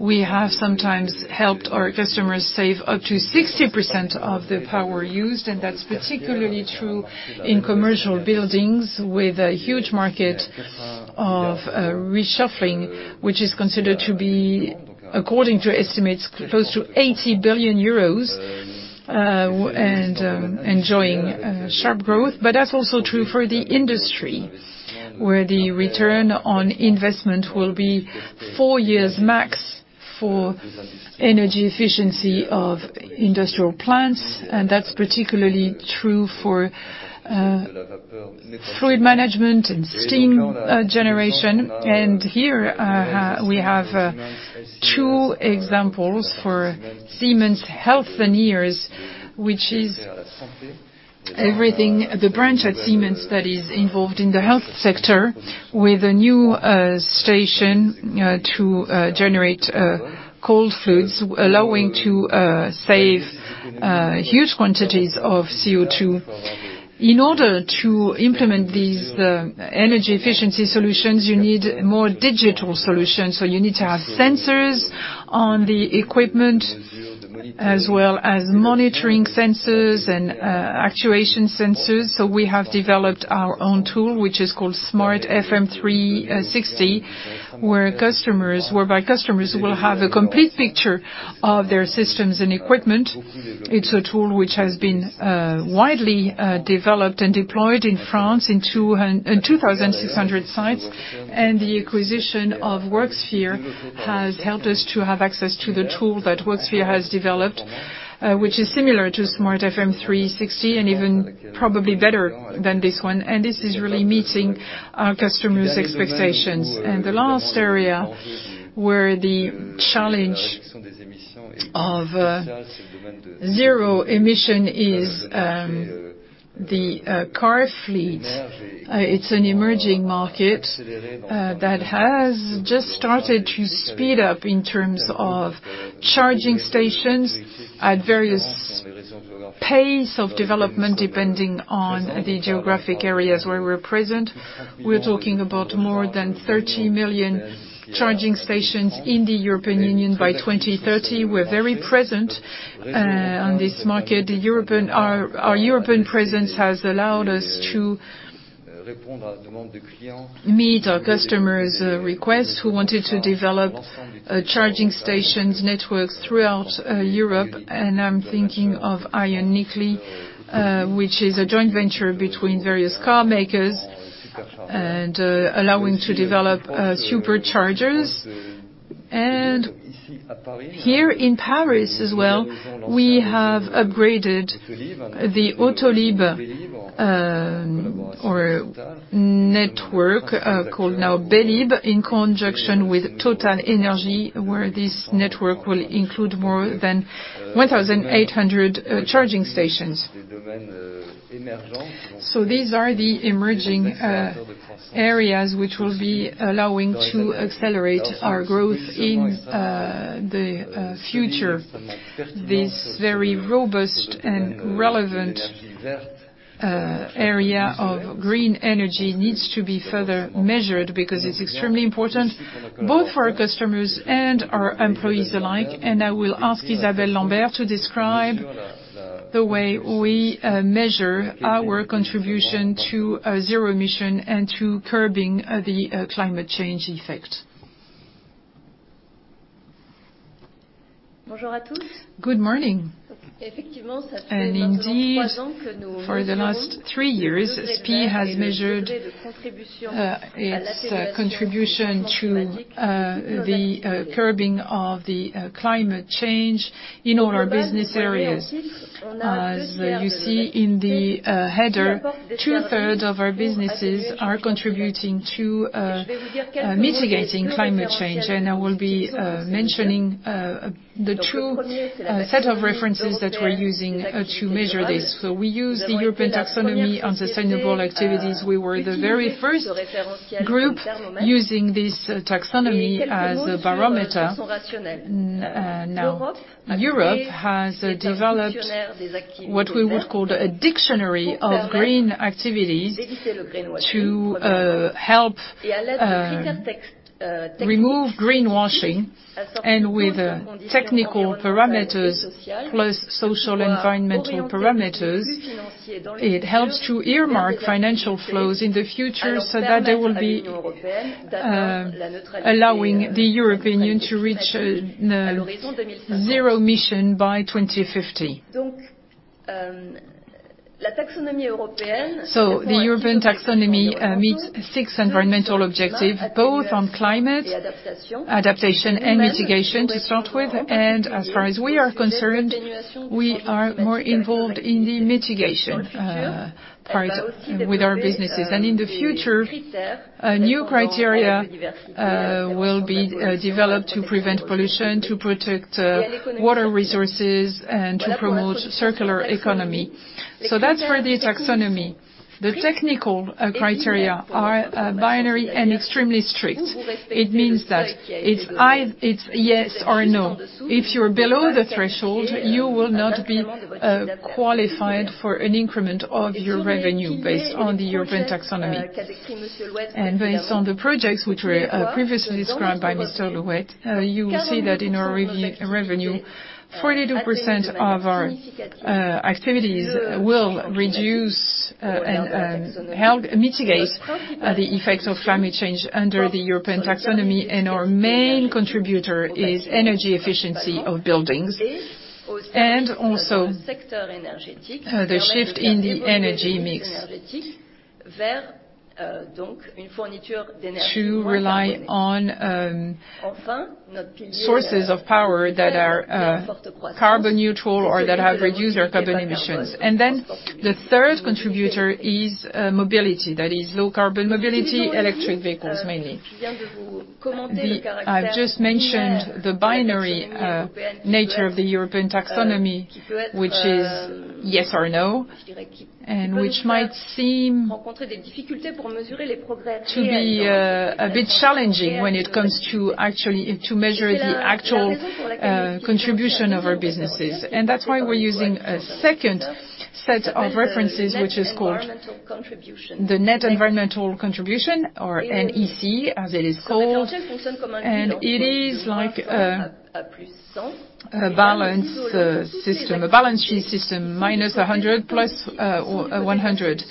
We have sometimes helped our customers save up to 60% of the power used, and that's particularly true in commercial buildings with a huge market of refurbishing, which is considered to be, according to estimates, close to 80 billion euros and enjoying sharp growth. That's also true for the industry, where the return on investment will be 4 years max for energy efficiency of industrial plants. That's particularly true for fluid management and steam generation. Here we have two examples for Siemens Healthineers, which is everything. The branch at Siemens that is involved in the health sector with a new station to generate cold rooms, allowing to save huge quantities of CO2. In order to implement these energy efficiency solutions, you need more digital solutions. You need to have sensors on the equipment, as well as monitoring sensors and actuation sensors. We have developed our own tool, which is called Smart FM360, whereby customers will have a complete picture of their systems and equipment. It's a tool which has been widely developed and deployed in France in 2,600 sites. The acquisition of Worksphere has helped us to have access to the tool that Worksphere has developed, which is similar to Smart FM360 and even probably better than this one. This is really meeting our customers' expectations. The last area where the challenge of zero emission is the car fleet. It's an emerging market that has just started to speed up in terms of charging stations at various pace of development depending on the geographic areas where we're present. We're talking about more than 30 million charging stations in the European Union by 2030. We're very present on this market. Our European presence has allowed us to meet our customers' request who wanted to develop charging stations networks throughout Europe. I'm thinking of IONITY, which is a joint venture between various car makers and allowing to develop superchargers. Here in Paris as well, we have upgraded the Autolib or network called now Belib' in conjunction with TotalEnergies, where this network will include more than 1,800 charging stations. These are the emerging areas which will be allowing to accelerate our growth in the future. This very robust and relevant area of green energy needs to be further measured because it's extremely important both for our customers and our employees alike. I will ask Isabelle Lambert to describe the way we measure our contribution to zero emission and to curbing the climate change effect. Good morning. Indeed, for the last three years, SPIE has measured its contribution to the curbing of the climate change in all our business areas. As you see in the header, two-thirds of our businesses are contributing to mitigating climate change. I will be mentioning the two sets of references that we're using to measure this. We use the European Taxonomy on Sustainable Activities. We were the very first group using this taxonomy as a barometer. Now Europe has developed what we would call a dictionary of green activities to help remove greenwashing and with technical parameters plus social environmental parameters. It helps to earmark financial flows in the future so that they will be allowing the European Union to reach the zero emission by 2050. The European Taxonomy meets six environmental objectives, both on climate adaptation and mitigation to start with. As far as we are concerned, we are more involved in the mitigation part with our businesses. In the future, a new criteria will be developed to prevent pollution, to protect water resources and to promote circular economy. That's for the taxonomy. The technical criteria are binary and extremely strict. It means that it's yes or no. If you're below the threshold, you will not be qualified for an increment of your revenue based on the European Taxonomy. Based on the projects which were previously described by Mr. Louette, you will see that in our revenue, 42% of our activities will reduce and help mitigate the effects of climate change under the European Taxonomy. Our main contributor is energy efficiency of buildings and also the shift in the energy mix to rely on sources of power that are carbon neutral or that have reduced their carbon emissions. The third contributor is mobility. That is low carbon mobility, electric vehicles mainly. I've just mentioned the binary nature of the European Taxonomy, which is yes or no, and which might seem to be a bit challenging when it comes to actually to measure the actual contribution of our businesses. That's why we're using a second set of references, which is called the Net Environmental Contribution, or NEC, as it is called. It is like a balance system, a balance sheet system, from -100 to +100,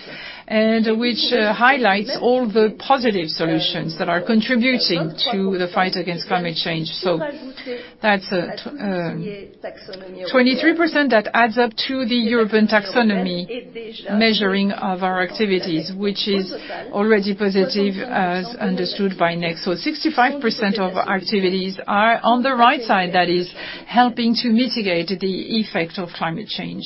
which highlights all the positive solutions that are contributing to the fight against climate change. That's 23% that adds up to the European Taxonomy measuring of our activities, which is already positive, as understood by NEC. 65% of our activities are on the right side, that is helping to mitigate the effect of climate change.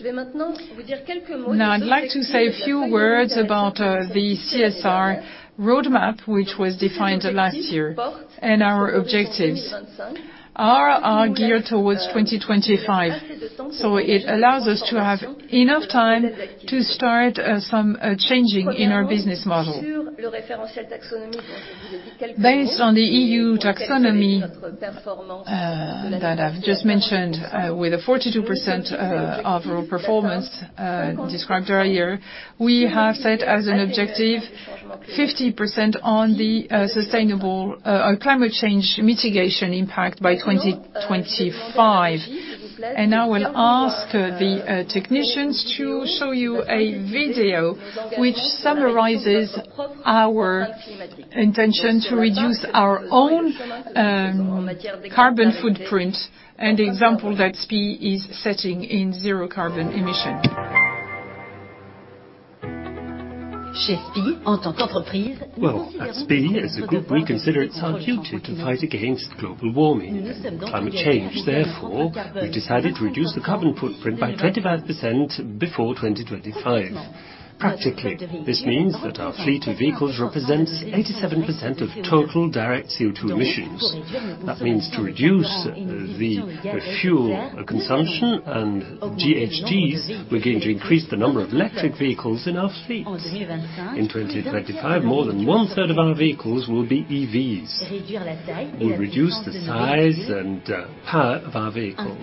Now, I'd like to say a few words about the CSR roadmap, which was defined last year, and our objectives are geared towards 2025. It allows us to have enough time to start some changing in our business model. Based on the EU Taxonomy that I've just mentioned, with a 42% of our performance described earlier, we have set as an objective 50% on the sustainable or climate change mitigation impact by 2025. I will ask the technicians to show you a video which summarizes our intention to reduce our own carbon footprint and example that SPIE is setting in zero carbon emission. Well, at SPIE, as a group, we consider it our duty to fight against global warming and climate change. Therefore, we decided to reduce the carbon footprint by 25% before 2025. Practically, this means that our fleet of vehicles represents 87% of total direct CO2 emissions. That means to reduce the fuel consumption and GHGs, we're going to increase the number of electric vehicles in our fleets. In 2025, more than one-third of our vehicles will be EVs. We'll reduce the size and power of our vehicles.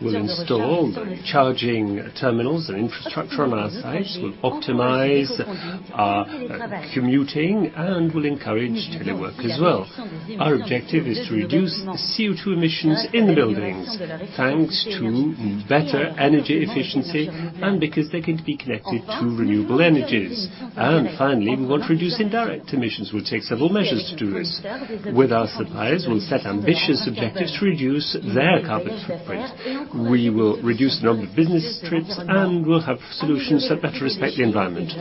We'll install the charging terminals and infrastructure on our sites. We'll optimize our commuting, and we'll encourage telework as well. Our objective is to reduce CO2 emissions in the buildings, thanks to better energy efficiency and because they're going to be connected to renewable energies. Finally, we want to reduce indirect emissions. We'll take several measures to do this. With our suppliers, we'll set ambitious objectives to reduce their carbon footprints. We will reduce the number of business trips, and we'll have solutions that better respect the environment.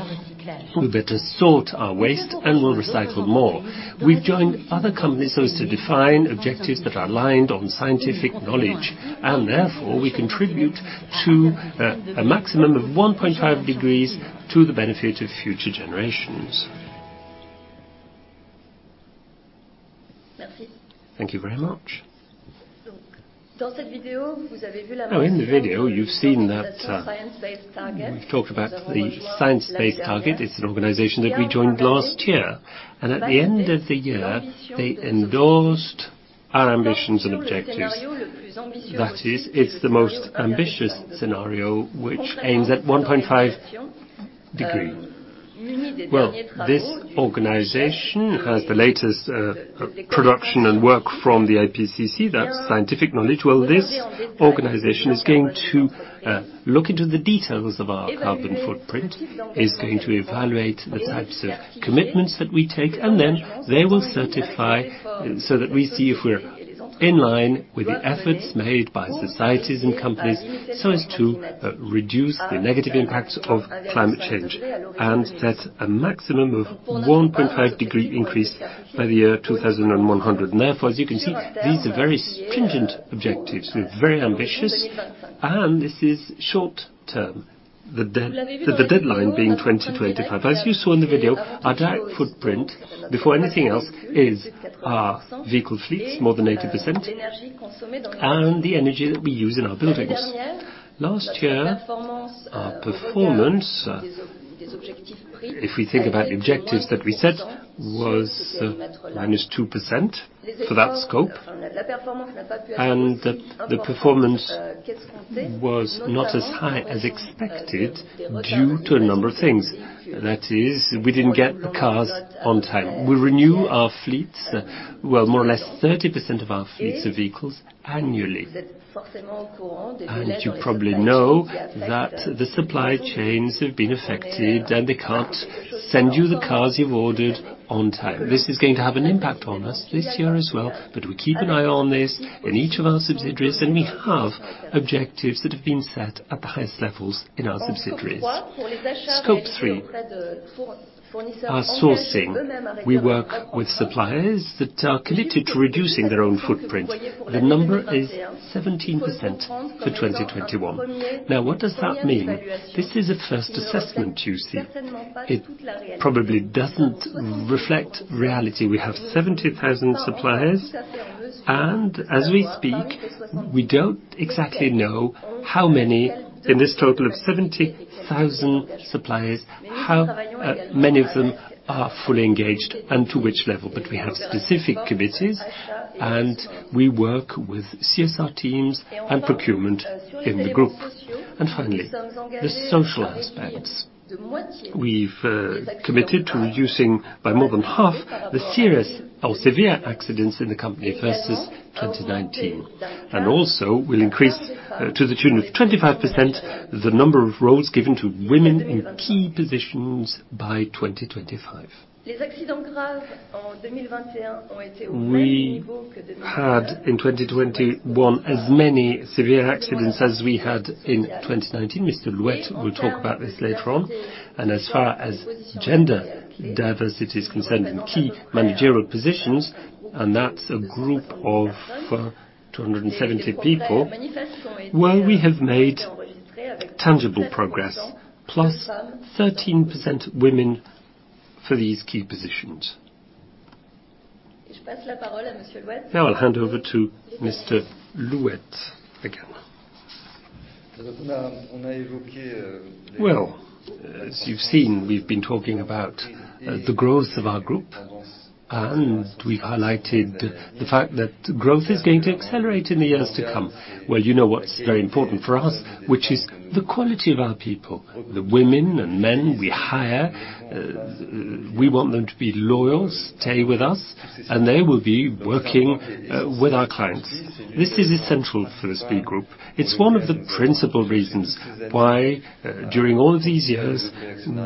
We better sort our waste, and we'll recycle more. We've joined other companies so as to define objectives that are aligned on scientific knowledge. Therefore, we contribute to a maximum of 1.5 degrees to the benefit of future generations. Thank you very much. Now in the video, you've seen that, we've talked about the Science Based Targets. It's an organization that we joined last year. At the end of the year, they endorsed our ambitions and objectives. That is, it's the most ambitious scenario, which aims at 1.5 degree. Well, this organization has the latest production and work from the IPCC. That's scientific knowledge. Well, this organization is going to look into the details of our carbon footprint. It's going to evaluate the types of commitments that we take, and then they will certify so that we see if we're in line with the efforts made by societies and companies so as to reduce the negative impacts of climate change and set a maximum of 1.5-degree increase by the year 2100. Therefore, as you can see, these are very stringent objectives. We're very ambitious, and this is short-term, the deadline being 2025. As you saw in the video, our direct footprint before anything else is our vehicle fleets, more than 80%, and the energy that we use in our buildings. Last year, our performance, if we think about the objectives that we set, was -2% for that scope, and that the performance was not as high as expected due to a number of things. That is, we didn't get cars on time. We renew our fleets, well, more or less 30% of our fleets of vehicles annually. You probably know that the supply chains have been affected, and they can't send you the cars you've ordered on time. This is going to have an impact on us this year as well, but we keep an eye on this in each of our subsidiaries, and we have objectives that have been set at the highest levels in our subsidiaries. Scope three, our sourcing. We work with suppliers that are committed to reducing their own footprint. The number is 17% for 2021. Now what does that mean? This is a first assessment, you see. It probably doesn't reflect reality. We have 70,000 suppliers, and as we speak, we don't exactly know how many in this total of 70,000 suppliers, how many of them are fully engaged and to which level. We have specific committees, and we work with CSR teams and procurement in the group. Finally, the social aspects. We've committed to reducing by more than half the serious or severe accidents in the company versus 2019. Also, we'll increase to the tune of 25% the number of roles given to women in key positions by 2025. We had in 2021 as many severe accidents as we had in 2019. Mr. Louette will talk about this later on. As far as gender diversity is concerned in key managerial positions, and that's a group of 270 people, well, we have made tangible progress, +13% women for these key positions. Now I'll hand over to Mr. Louette again. Well, as you've seen, we've been talking about the growth of our group, and we highlighted the fact that growth is going to accelerate in the years to come. Well, you know what's very important for us, which is the quality of our people, the women and men we hire. We want them to be loyal, stay with us, and they will be working with our clients. This is essential for the SPIE group. It's one of the principal reasons why, during all of these years,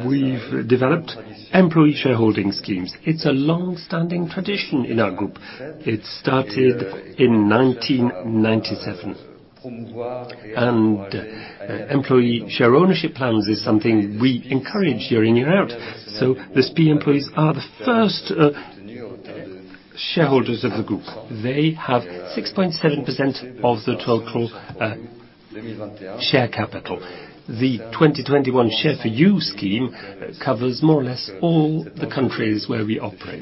we've developed employee shareholding schemes. It's a long-standing tradition in our group. It started in 1997. Employee share ownership plans is something we encourage year in, year out. The SPIE employees are the first shareholders of the group. They have 6.7% of the total share capital. The 2021 Share for You scheme covers more or less all the countries where we operate.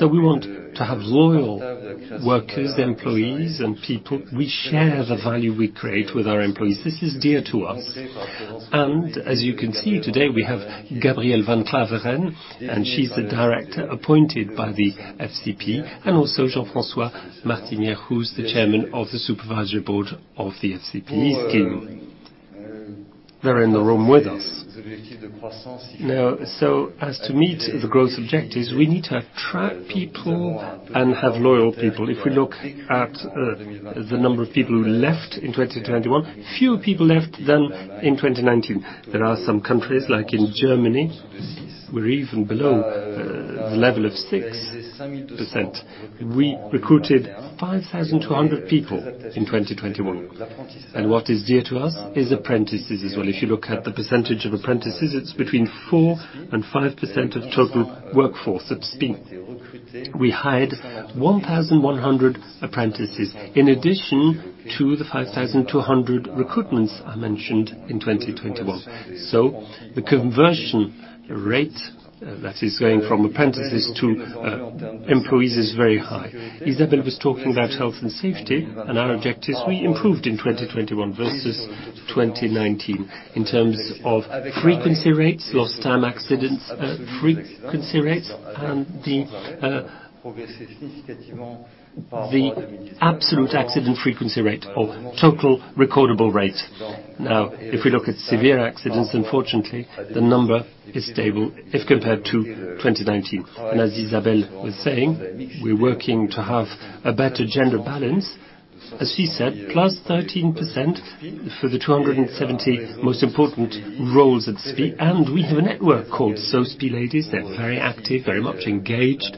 We want to have loyal workers, employees, and people. We share the value we create with our employees. This is dear to us. As you can see today, we have Gabrielle van Klaveren-Hessel, and she's the director appointed by the FCP, and also Jean-François Martinet, who's the chairman of the Supervisory Board of the FCP scheme. They're in the room with us. Now, so as to meet the growth objectives, we need to attract people and have loyal people. If we look at the number of people who left in 2021, fewer people left than in 2019. There are some countries, like in Germany, we're even below the level of 6%. We recruited 5,200 people in 2021. What is dear to us is apprentices as well. If you look at the percentage of apprentices, it's between 4% and 5% of total workforce at SPIE. We hired 1,100 apprentices, in addition to the 5,200 recruitments I mentioned in 2021. The conversion rate that is going from apprentices to employees is very high. Isabelle was talking about health and safety and our objectives. We improved in 2021 versus 2019 in terms of frequency rates, lost time accidents, and the absolute accident frequency rate or total recordable rate. Now, if we look at severe accidents, unfortunately, the number is stable if compared to 2019. As Isabelle was saying, we're working to have a better gender balance. As she said, +13% for the 270 most important roles at SPIE. We have a network called SoSPIE Ladies. They're very active, very much engaged,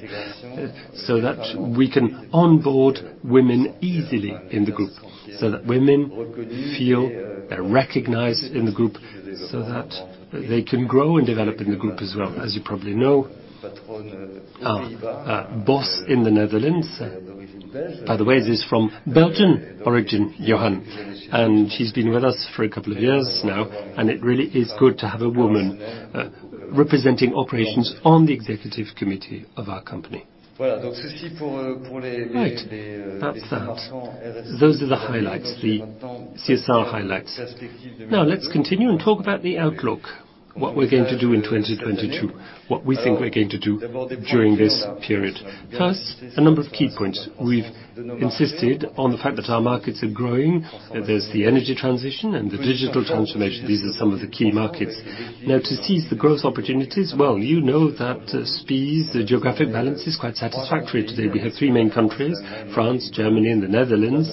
so that we can onboard women easily in the group, so that women feel they're recognized in the group, so that they can grow and develop in the group as well. As you probably know, our boss in the Netherlands, by the way, is from Belgian origin, Johan, and she's been with us for a couple of years now, and it really is good to have a woman representing operations on the executive committee of our company. Right. That's that. Those are the highlights, the CSR highlights. Now, let's continue and talk about the outlook, what we're going to do in 2022, what we think we're going to do during this period. First, a number of key points. We've insisted on the fact that our markets are growing. There's the energy transition and the digital transformation. These are some of the key markets. Now, to seize the growth opportunities, well, you know that SPIE's geographic balance is quite satisfactory today. We have three main countries, France, Germany, and the Netherlands.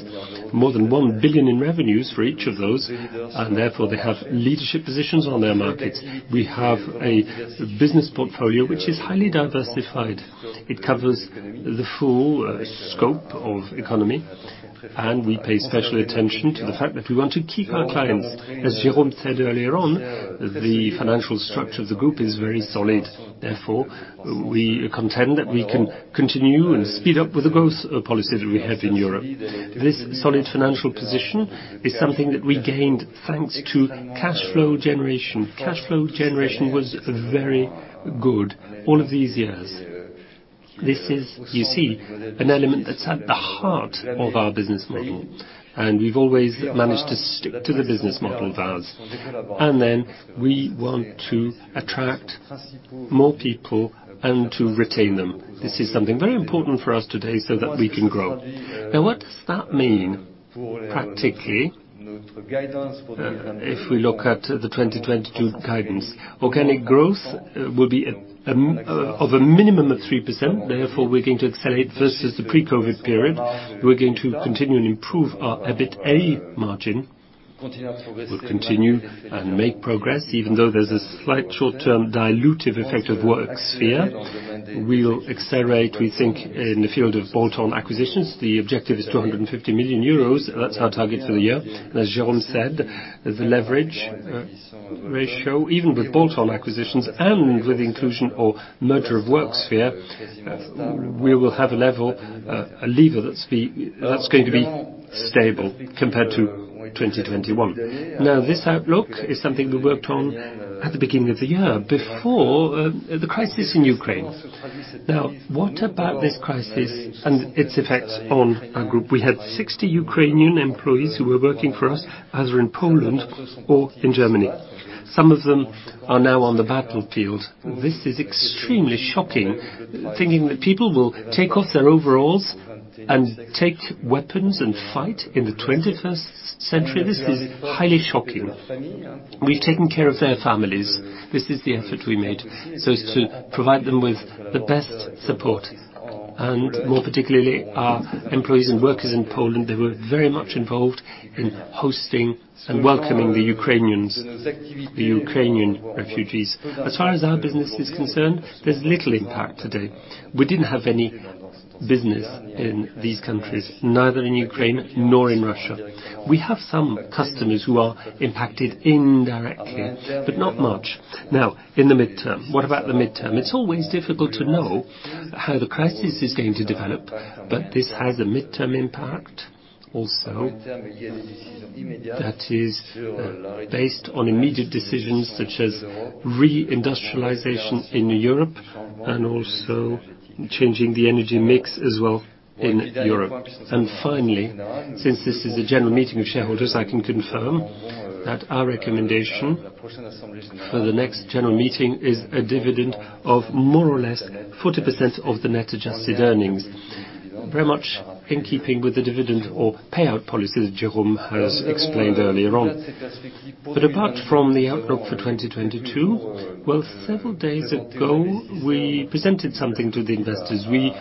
More than 1 billion in revenues for each of those, and therefore they have leadership positions on their markets. We have a business portfolio which is highly diversified. It covers the full scope of economy, and we pay special attention to the fact that we want to keep our clients. As Jérôme said earlier on, the financial structure of the group is very solid. Therefore, we contend that we can continue and speed up with the growth policy that we have in Europe. This solid financial position is something that we gained thanks to cash flow generation. Cash flow generation was very good all of these years. This is, you see, an element that's at the heart of our business model, and we've always managed to stick to the business model of ours. We want to attract more people and to retain them. This is something very important for us today so that we can grow. Now, what does that mean practically, if we look at the 2022 guidance? Organic growth will be of a minimum of 3%. Therefore, we're going to accelerate versus the pre-COVID period. We're going to continue and improve our EBITA margin. We'll continue and make progress, even though there's a slight short-term dilutive effect of Worksphere. We'll accelerate, we think, in the field of bolt-on acquisitions. The objective is 250 million euros. That's our target for the year. As Jérôme said, the leverage ratio, even with bolt-on acquisitions and with the inclusion or merger of Worksphere, we will have a level, a lever that's going to be stable compared to 2021. Now, this outlook is something we worked on at the beginning of the year, before the crisis in Ukraine. Now, what about this crisis and its effects on our group? We had 60 Ukrainian employees who were working for us, either in Poland or in Germany. Some of them are now on the battlefield. This is extremely shocking, thinking that people will take off their overalls and take weapons and fight in the twenty-first century. This is highly shocking. We're taking care of their families. This is the effort we made, so as to provide them with the best support. More particularly, our employees and workers in Poland, they were very much involved in hosting and welcoming the Ukrainians, the Ukrainian refugees. As far as our business is concerned, there's little impact today. We didn't have any business in these countries, neither in Ukraine nor in Russia. We have some customers who are impacted indirectly, but not much. Now, in the midterm, what about the midterm? It's always difficult to know how the crisis is going to develop, but this has a midterm impact also that is based on immediate decisions such as re-industrialization in Europe and also changing the energy mix as well in Europe. Finally, since this is a general meeting of shareholders, I can confirm that our recommendation for the next general meeting is a dividend of more or less 40% of the net adjusted earnings, very much in keeping with the dividend or payout policy that Jérôme has explained earlier on. Apart from the outlook for 2022, well, several days ago, we presented something to the investors. We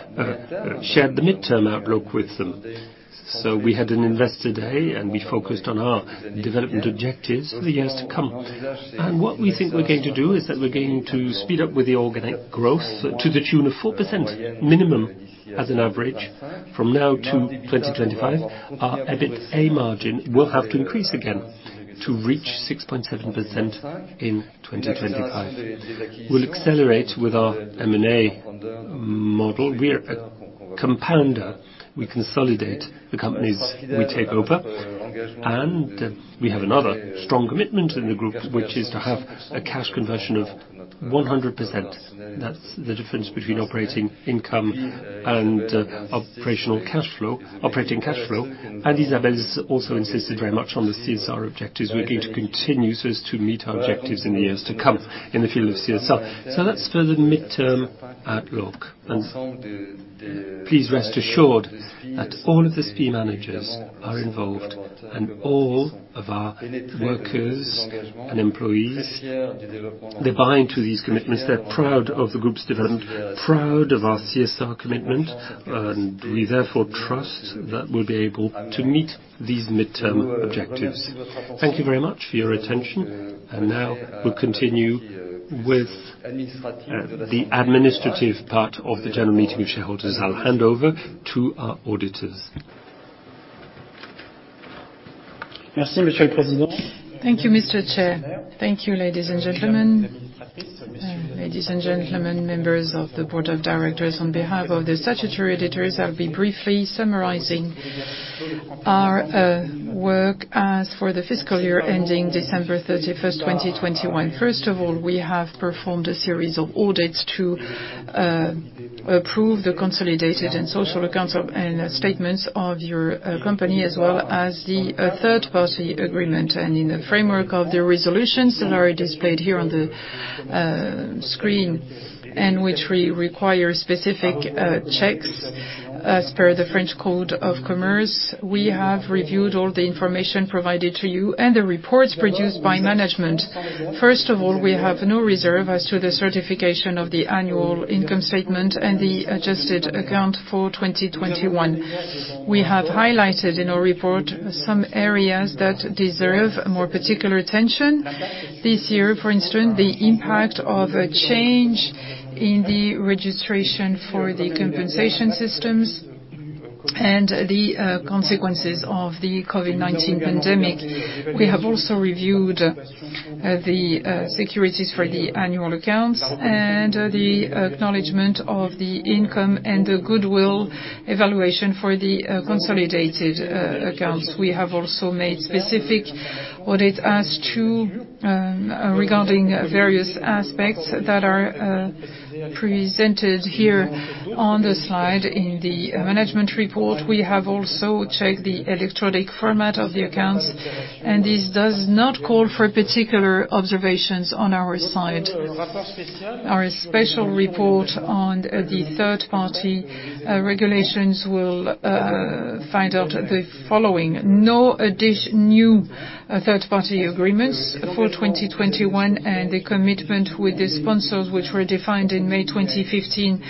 shared the midterm outlook with them. We had an investor day, and we focused on our development objectives for the years to come. What we think we're going to do is that we're going to speed up with the organic growth to the tune of 4% minimum as an average from now to 2025. Our EBITA margin will have to increase again to reach 6.7% in 2025. We'll accelerate with our M&A model. We're a compounder. We consolidate the companies we take over, and we have another strong commitment in the group, which is to have a cash conversion of 100%. That's the difference between operating income and operational cash flow. Isabelle has also insisted very much on the CSR objectives. We're going to continue so as to meet our objectives in the years to come in the field of CSR. That's for the midterm outlook. Please rest assured that all of the SPIE managers are involved, and all of our workers and employees, they buy into these commitments. They're proud of the group's development, proud of our CSR commitment, and we therefore trust that we'll be able to meet these midterm objectives. Thank you very much for your attention. Now we'll continue with the administrative part of the general meeting of shareholders. I'll hand over to our auditors. Thank you, Mr. Chair. Thank you, ladies and gentlemen. Ladies and gentlemen, members of the board of directors, on behalf of the statutory auditors, I'll be briefly summarizing our work as for the fiscal year ending December 31, 2021. First of all, we have performed a series of audits to approve the consolidated and social accounts and statements of your company, as well as the third-party agreement. In the framework of the resolutions that are displayed here on the screen and which require specific checks as per the French Commercial Code, we have reviewed all the information provided to you and the reports produced by management. First of all, we have no reserve as to the certification of the annual income statement and the adjusted account for 2021. We have highlighted in our report some areas that deserve more particular attention. This year, for instance, the impact of a change in the registration for the compensation systems and the consequences of the COVID-19 pandemic. We have also reviewed the securities for the annual accounts and the acknowledgement of the income and the goodwill evaluation for the consolidated accounts. We have also made specific audit as to regarding various aspects that are presented here on the slide in the management report. We have also checked the electronic format of the accounts, and this does not call for particular observations on our side. Our special report on the third-party regulations will find out the following: No new third-party agreements for 2021 and the commitment with the sponsors, which were defined in May 2015,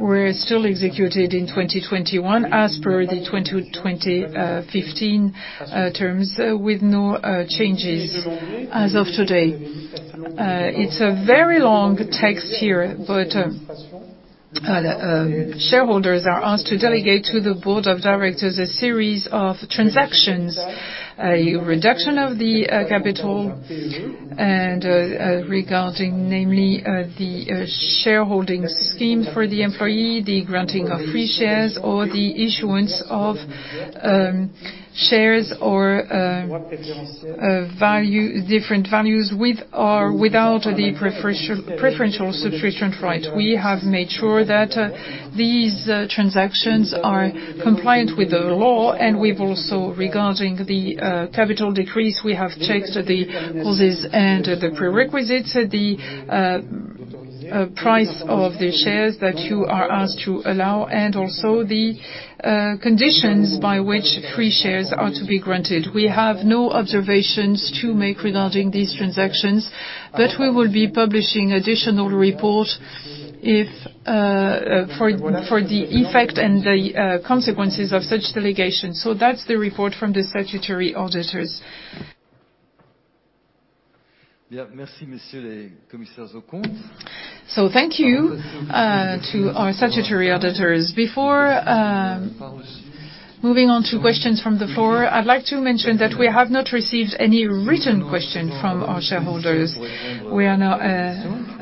were still executed in 2021 as per the 2015 terms with no changes as of today. It's a very long text here, but the shareholders are asked to delegate to the board of directors a series of transactions, a reduction of the capital and regarding namely the shareholding scheme for the employee, the granting of free shares or the issuance of shares or value, different values with or without the preferential subscription right. We have made sure that these transactions are compliant with the law, and we've also, regarding the capital decrease, we have checked the clauses and the prerequisites. The price of the shares that you are asked to allow, and also the conditions by which free shares are to be granted. We have no observations to make regarding these transactions, but we will be publishing additional report if for the effect and the consequences of such delegation. That's the report from the statutory auditors. Thank you to our statutory auditors. Before moving on to questions from the floor, I'd like to mention that we have not received any written question from our shareholders. We are now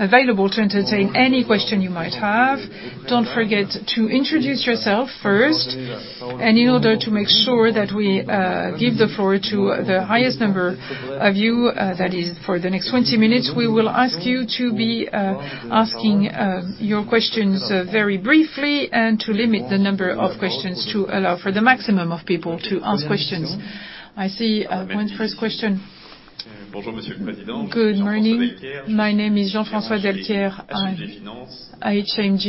available to entertain any question you might have. Don't forget to introduce yourself first. In order to make sure that we give the floor to the highest number of you, that is for the next 20 minutes, we will ask you to be asking your questions very briefly and to limit the number of questions to allow for the maximum of people to ask questions. I see one first question. Good morning. My name is Jean-François Delcaire. I'm HMG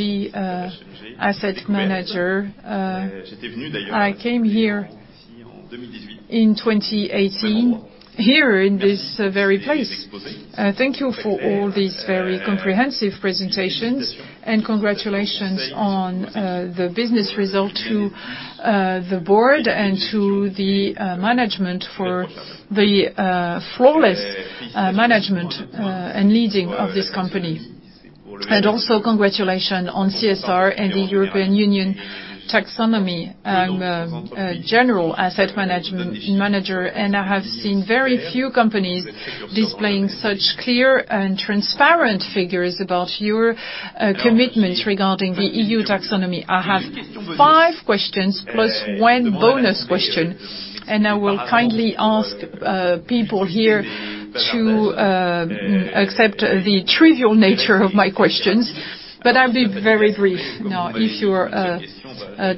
Asset Manager. I came here in 2018, here in this very place. Thank you for all these very comprehensive presentations, and congratulations on the business result to the board and to the management for the flawless management and leading of this company. Also congratulations on CSR and the European Union Taxonomy. I'm a general asset manager, and I have seen very few companies displaying such clear and transparent figures about your commitments regarding the EU Taxonomy. I have five questions, plus one bonus question, and I will kindly ask people here to accept the trivial nature of my questions. I'll be very brief. Now, if you're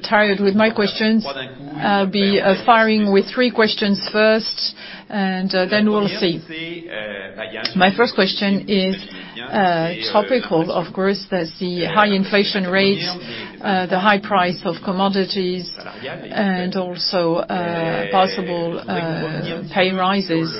tired with my questions, I'll be firing with three questions first, and then we'll see. My first question is topical, of course, that's the high inflation rates, the high price of commodities and also possible pay raises.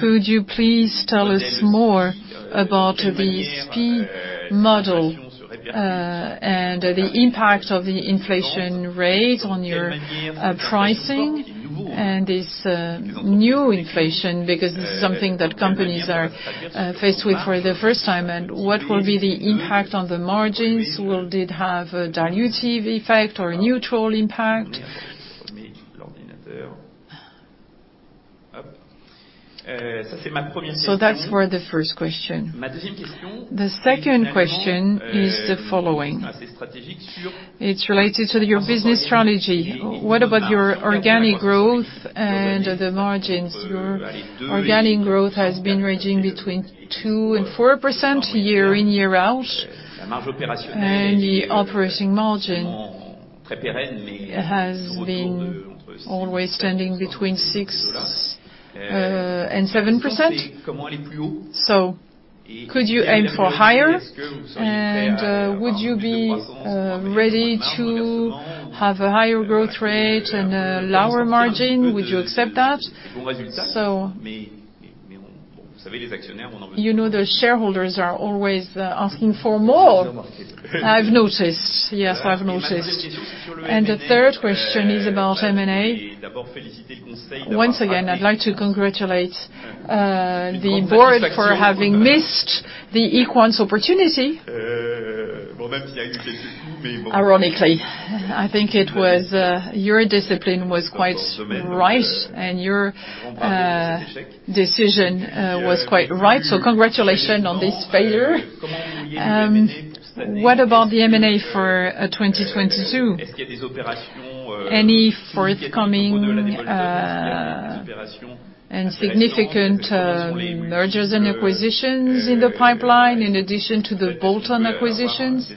Could you please tell us more about the SPIE model and the impact of the inflation rate on your pricing and this new inflation, because this is something that companies are faced with for the first time. What will be the impact on the margins? Will it have a dilutive effect or a neutral impact? That's for the first question. The second question is the following. It's related to your business strategy. What about your organic growth and the margins? Your organic growth has been ranging between 2% and 4% year in, year out, and the operating margin has been always standing between 6% and 7%. Could you aim for higher? Would you be ready to have a higher growth rate and a lower margin? Would you accept that? You know the shareholders are always asking for more, I've noticed. Yes, I've noticed. The third question is about M&A. Once again, I'd like to congratulate the board for having missed the EQUANS opportunity, ironically. I think it was your discipline was quite right, and your decision was quite right, so congratulations on this failure. What about the M&A for 2022? Any forthcoming and significant mergers and acquisitions in the pipeline in addition to the Bolton acquisitions?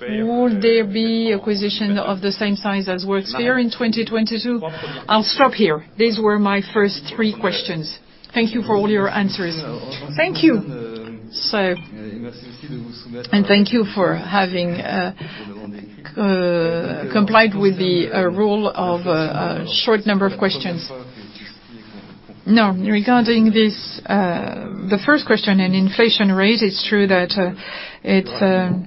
Will there be acquisition of the same size as Worksphere in 2022? I'll stop here. These were my first three questions. Thank you for all your answers. Thank you. Thank you for having complied with the rule of a short number of questions. Now, regarding this, the first question on inflation rate, it's true that it's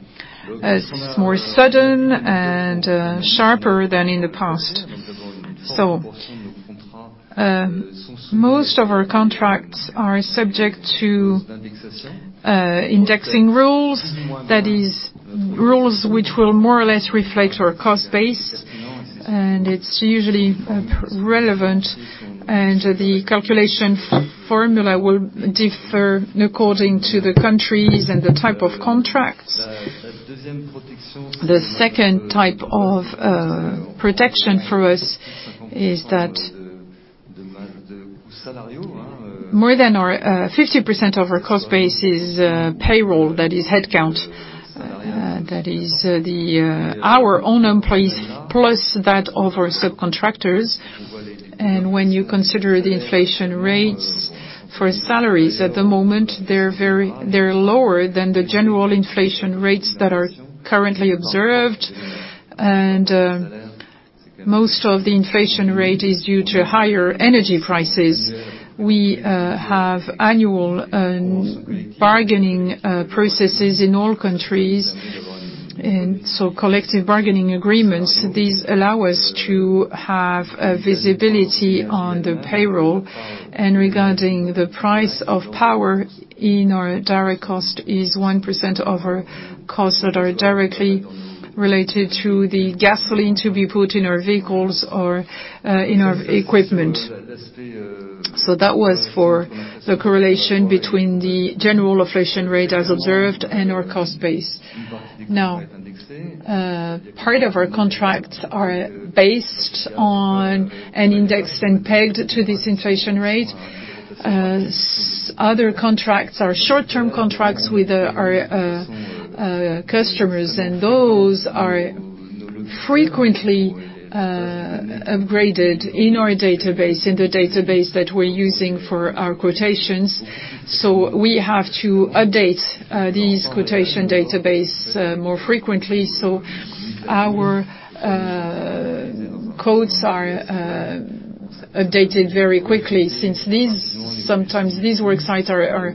more sudden and sharper than in the past. Most of our contracts are subject to indexing rules. That is, rules which will more or less reflect our cost base, and it's usually relevant. The calculation formula will differ according to the countries and the type of contracts. The second type of protection for us is that more than our 50% of our cost base is payroll, that is headcount. That is, our own employees plus that of our subcontractors. When you consider the inflation rates for salaries at the moment, they're lower than the general inflation rates that are currently observed. Most of the inflation rate is due to higher energy prices. We have annual bargaining processes in all countries, and so collective bargaining agreements. These allow us to have visibility on the payroll. Regarding the price of power in our direct cost is 1% of our costs that are directly related to the gasoline to be put in our vehicles or in our equipment. That was for the correlation between the general inflation rate as observed and our cost base. Now, part of our contracts are based on an index and pegged to this inflation rate. Other contracts are short-term contracts with our customers, and those are frequently upgraded in our database, in the database that we're using for our quotations. We have to update these quotation database more frequently, so our quotes are updated very quickly since sometimes these work sites are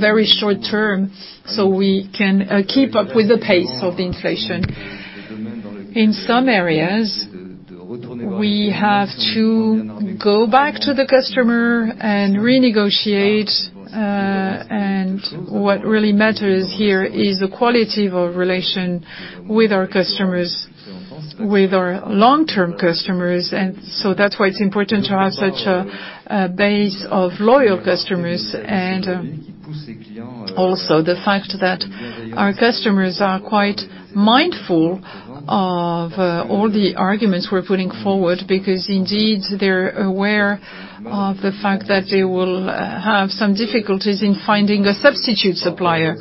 very short term, so we can keep up with the pace of inflation. In some areas, we have to go back to the customer and renegotiate. What really matters here is the quality of our relation with our customers, with our long-term customers. Also, the fact that our customers are quite mindful of all the arguments we're putting forward because indeed they're aware of the fact that they will have some difficulties in finding a substitute supplier.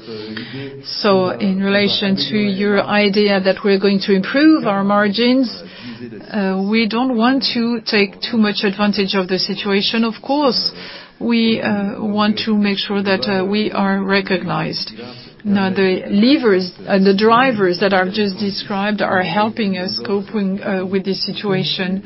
In relation to your idea that we're going to improve our margins, we don't want to take too much advantage of the situation. Of course, we want to make sure that we are recognized. Now, the levers and the drivers that I've just described are helping us coping with this situation.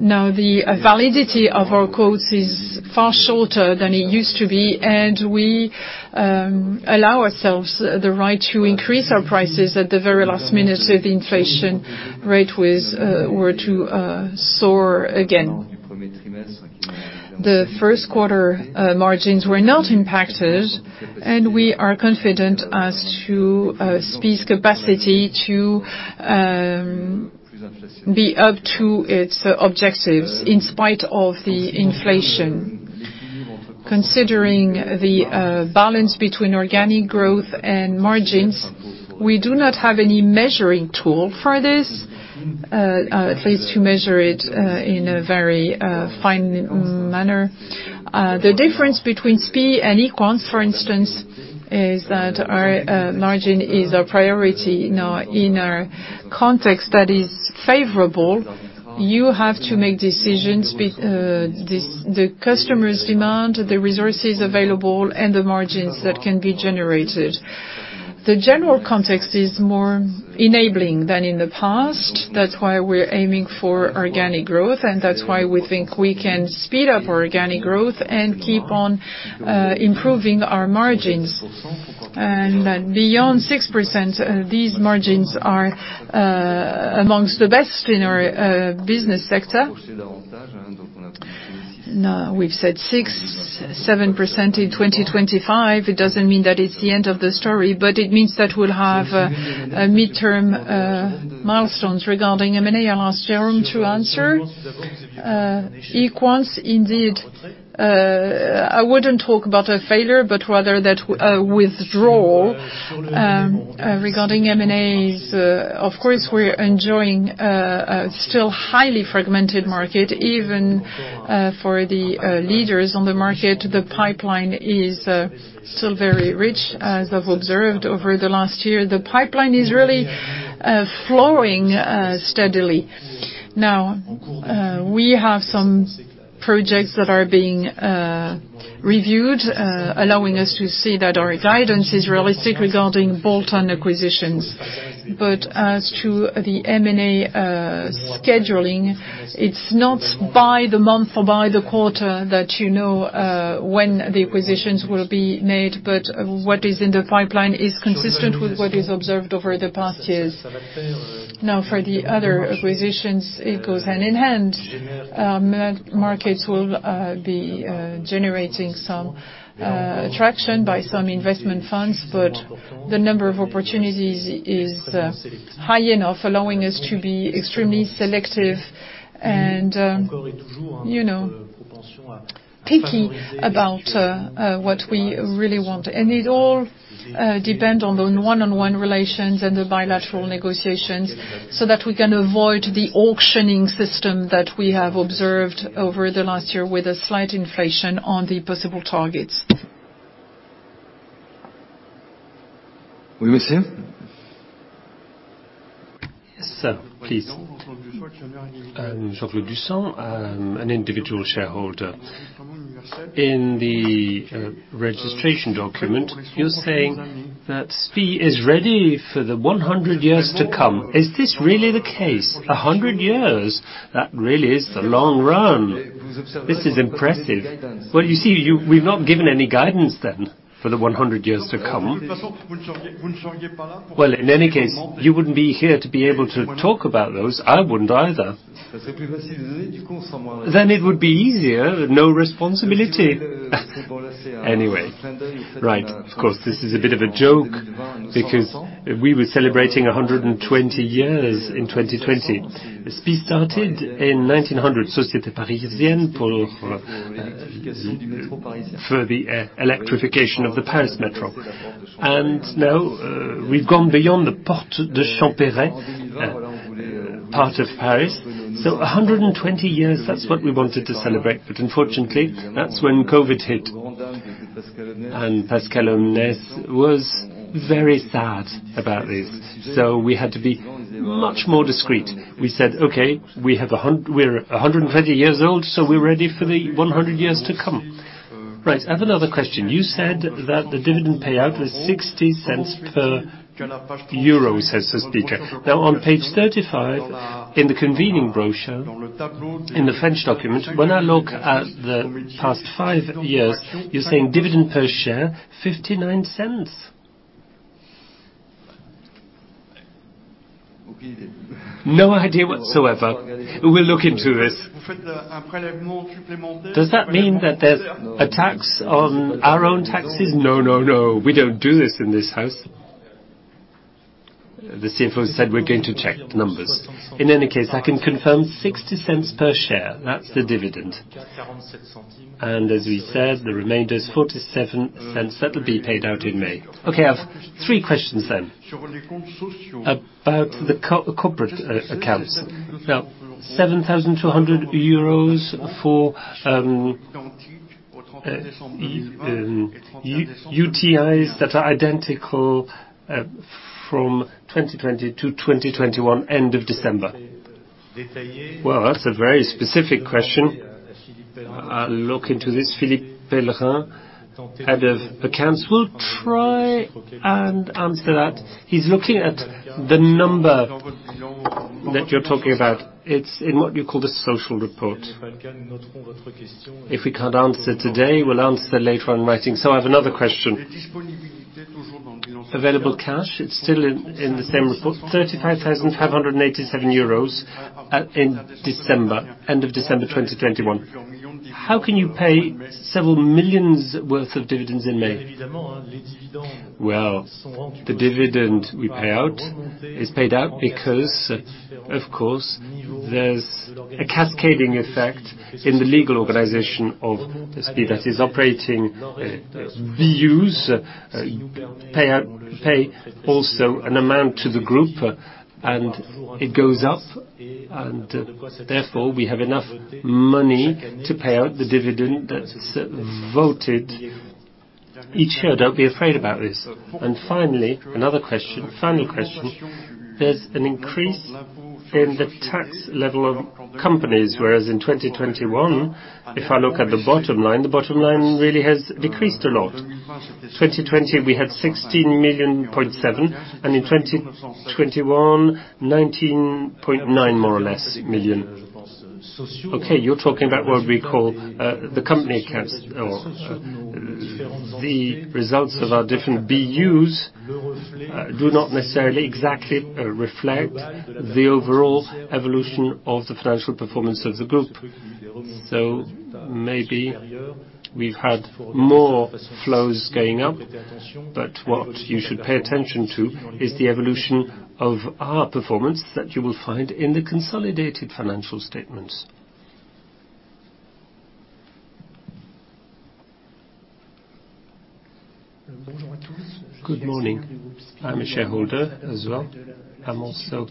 Now, the validity of our quotes is far shorter than it used to be, and we allow ourselves the right to increase our prices at the very last minute if the inflation rate were to soar again. The first quarter margins were not impacted, and we are confident as to SPIE's capacity to be up to its objectives in spite of the inflation. Considering the balance between organic growth and margins, we do not have any measuring tool for this, at least to measure it in a very fine manner. The difference between SPIE and EQUANS, for instance, is that our margin is our priority. Now, in a context that is favorable, you have to make decisions based on this, the customer's demand, the resources available, and the margins that can be generated. The general context is more enabling than in the past. That's why we're aiming for organic growth, and that's why we think we can speed up organic growth and keep on improving our margins. Beyond 6%, these margins are among the best in our business sector. Now, we've said 6%-7% in 2025. It doesn't mean that it's the end of the story, but it means that we'll have a midterm milestones regarding M&A. Last year, to answer EQUANS, indeed, I wouldn't talk about a failure, but rather that withdrawal. Regarding M&As, of course, we're enjoying a still highly fragmented market. Even for the leaders on the market, the pipeline is still very rich, as I've observed over the last year. The pipeline is really flowing steadily. Now, we have some projects that are being reviewed, allowing us to see that our guidance is realistic regarding bolt-on acquisitions. As to the M&A scheduling, it's not by the month or by the quarter that you know when the acquisitions will be made, but what is in the pipeline is consistent with what is observed over the past years. Now for the other acquisitions, it goes hand in hand. Markets will be generating some attraction by some investment funds, but the number of opportunities is high enough, allowing us to be extremely selective and, you know, picky about what we really want. It all depend on the one-on-one relations and the bilateral negotiations so that we can avoid the auctioning system that we have observed over the last year with a slight inflation on the possible targets. We will see. Yes, please. Jean-Claude Dussand, an individual shareholder. In the registration document, you're saying that SPIE is ready for the 100 years to come. Is this really the case? 100 years? That really is the long run. This is impressive. Well, you see, we've not given any guidance then for the 100 years to come. Well, in any case, you wouldn't be here to be able to talk about those. I wouldn't either. Then it would be easier, no responsibility. Anyway. Right. Of course, this is a bit of a joke because we were celebrating 120 years in 2020. SPIE started in 1900 Société Parisienne d'Électricité for the electrification of the Paris Metro. Now, we've gone beyond the Porte de Champerret, part of Paris. 120 years, that's what we wanted to celebrate, but unfortunately, that's when COVID hit. Pascal Colbatzky was very sad about this, so we had to be much more discreet. We said, "Okay, we're 120 years old, so we're ready for the 100 years to come." Right. I have another question. You said that the dividend payout was 0.60 per euro, says the speaker. Now, on page 35, in the convening brochure, in the French document, when I look at the past five years, you're saying dividend per share, 0.59. No idea whatsoever. We'll look into this. Does that mean that there's a tax on our own taxes? No, no. We don't do this in this house. The CFO said we're going to check the numbers. In any case, I can confirm 0.60 per share. That's the dividend. As we said, the remainder is 0.47. That'll be paid out in May. Okay. I have three questions. About the corporate accounts. About EUR 7,200 for UTIs that are identical from 2020 to 2021 end of December. Well, that's a very specific question. I'll look into this. Philippe Pellerin, Head of Accounts, will try and answer that. He's looking at the number that you're talking about. It's in what we call the social report. If we can't answer today, we'll answer later in writing. I have another question. Available cash, it's still in the same report, 35,587 euros in December, end of December 2021. How can you pay several millions worth of dividends in May? Well, the dividend we pay out is paid out because, of course, there's a cascading effect in the legal organization of the SPIE that is operating, BUs pay also an amount to the group, and it goes up, and therefore, we have enough money to pay out the dividend that's voted each year. Don't be afraid about this. Finally, another question, final question. There's an increase in the tax level of companies, whereas in 2021, if I look at the bottom line, the bottom line really has decreased a lot. 2020, we had 16.7 million, and in 2021, 19.9 million, more or less. Okay. You're talking about what we call the company accounts or the results of our different BUs do not necessarily exactly reflect the overall evolution of the financial performance of the group. Maybe we've had more flows going up, but what you should pay attention to is the evolution of our performance that you will find in the consolidated financial statements. Good morning. I'm a shareholder as well. I'm also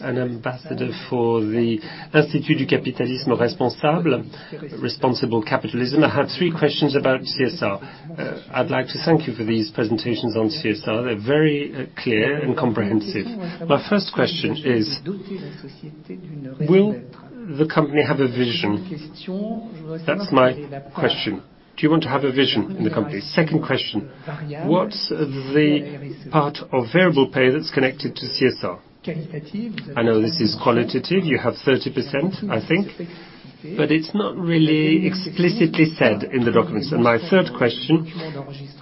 an ambassador for the Institut du Capitalisme Responsable, Responsible Capitalism. I have three questions about CSR. I'd like to thank you for these presentations on CSR. They're very clear and comprehensive. My first question is, will the company have a vision? That's my question. Do you want to have a vision in the company? Second question, what's the part of variable pay that's connected to CSR? I know this is qualitative. You have 30%, I think, but it's not really explicitly said in the documents. My third question,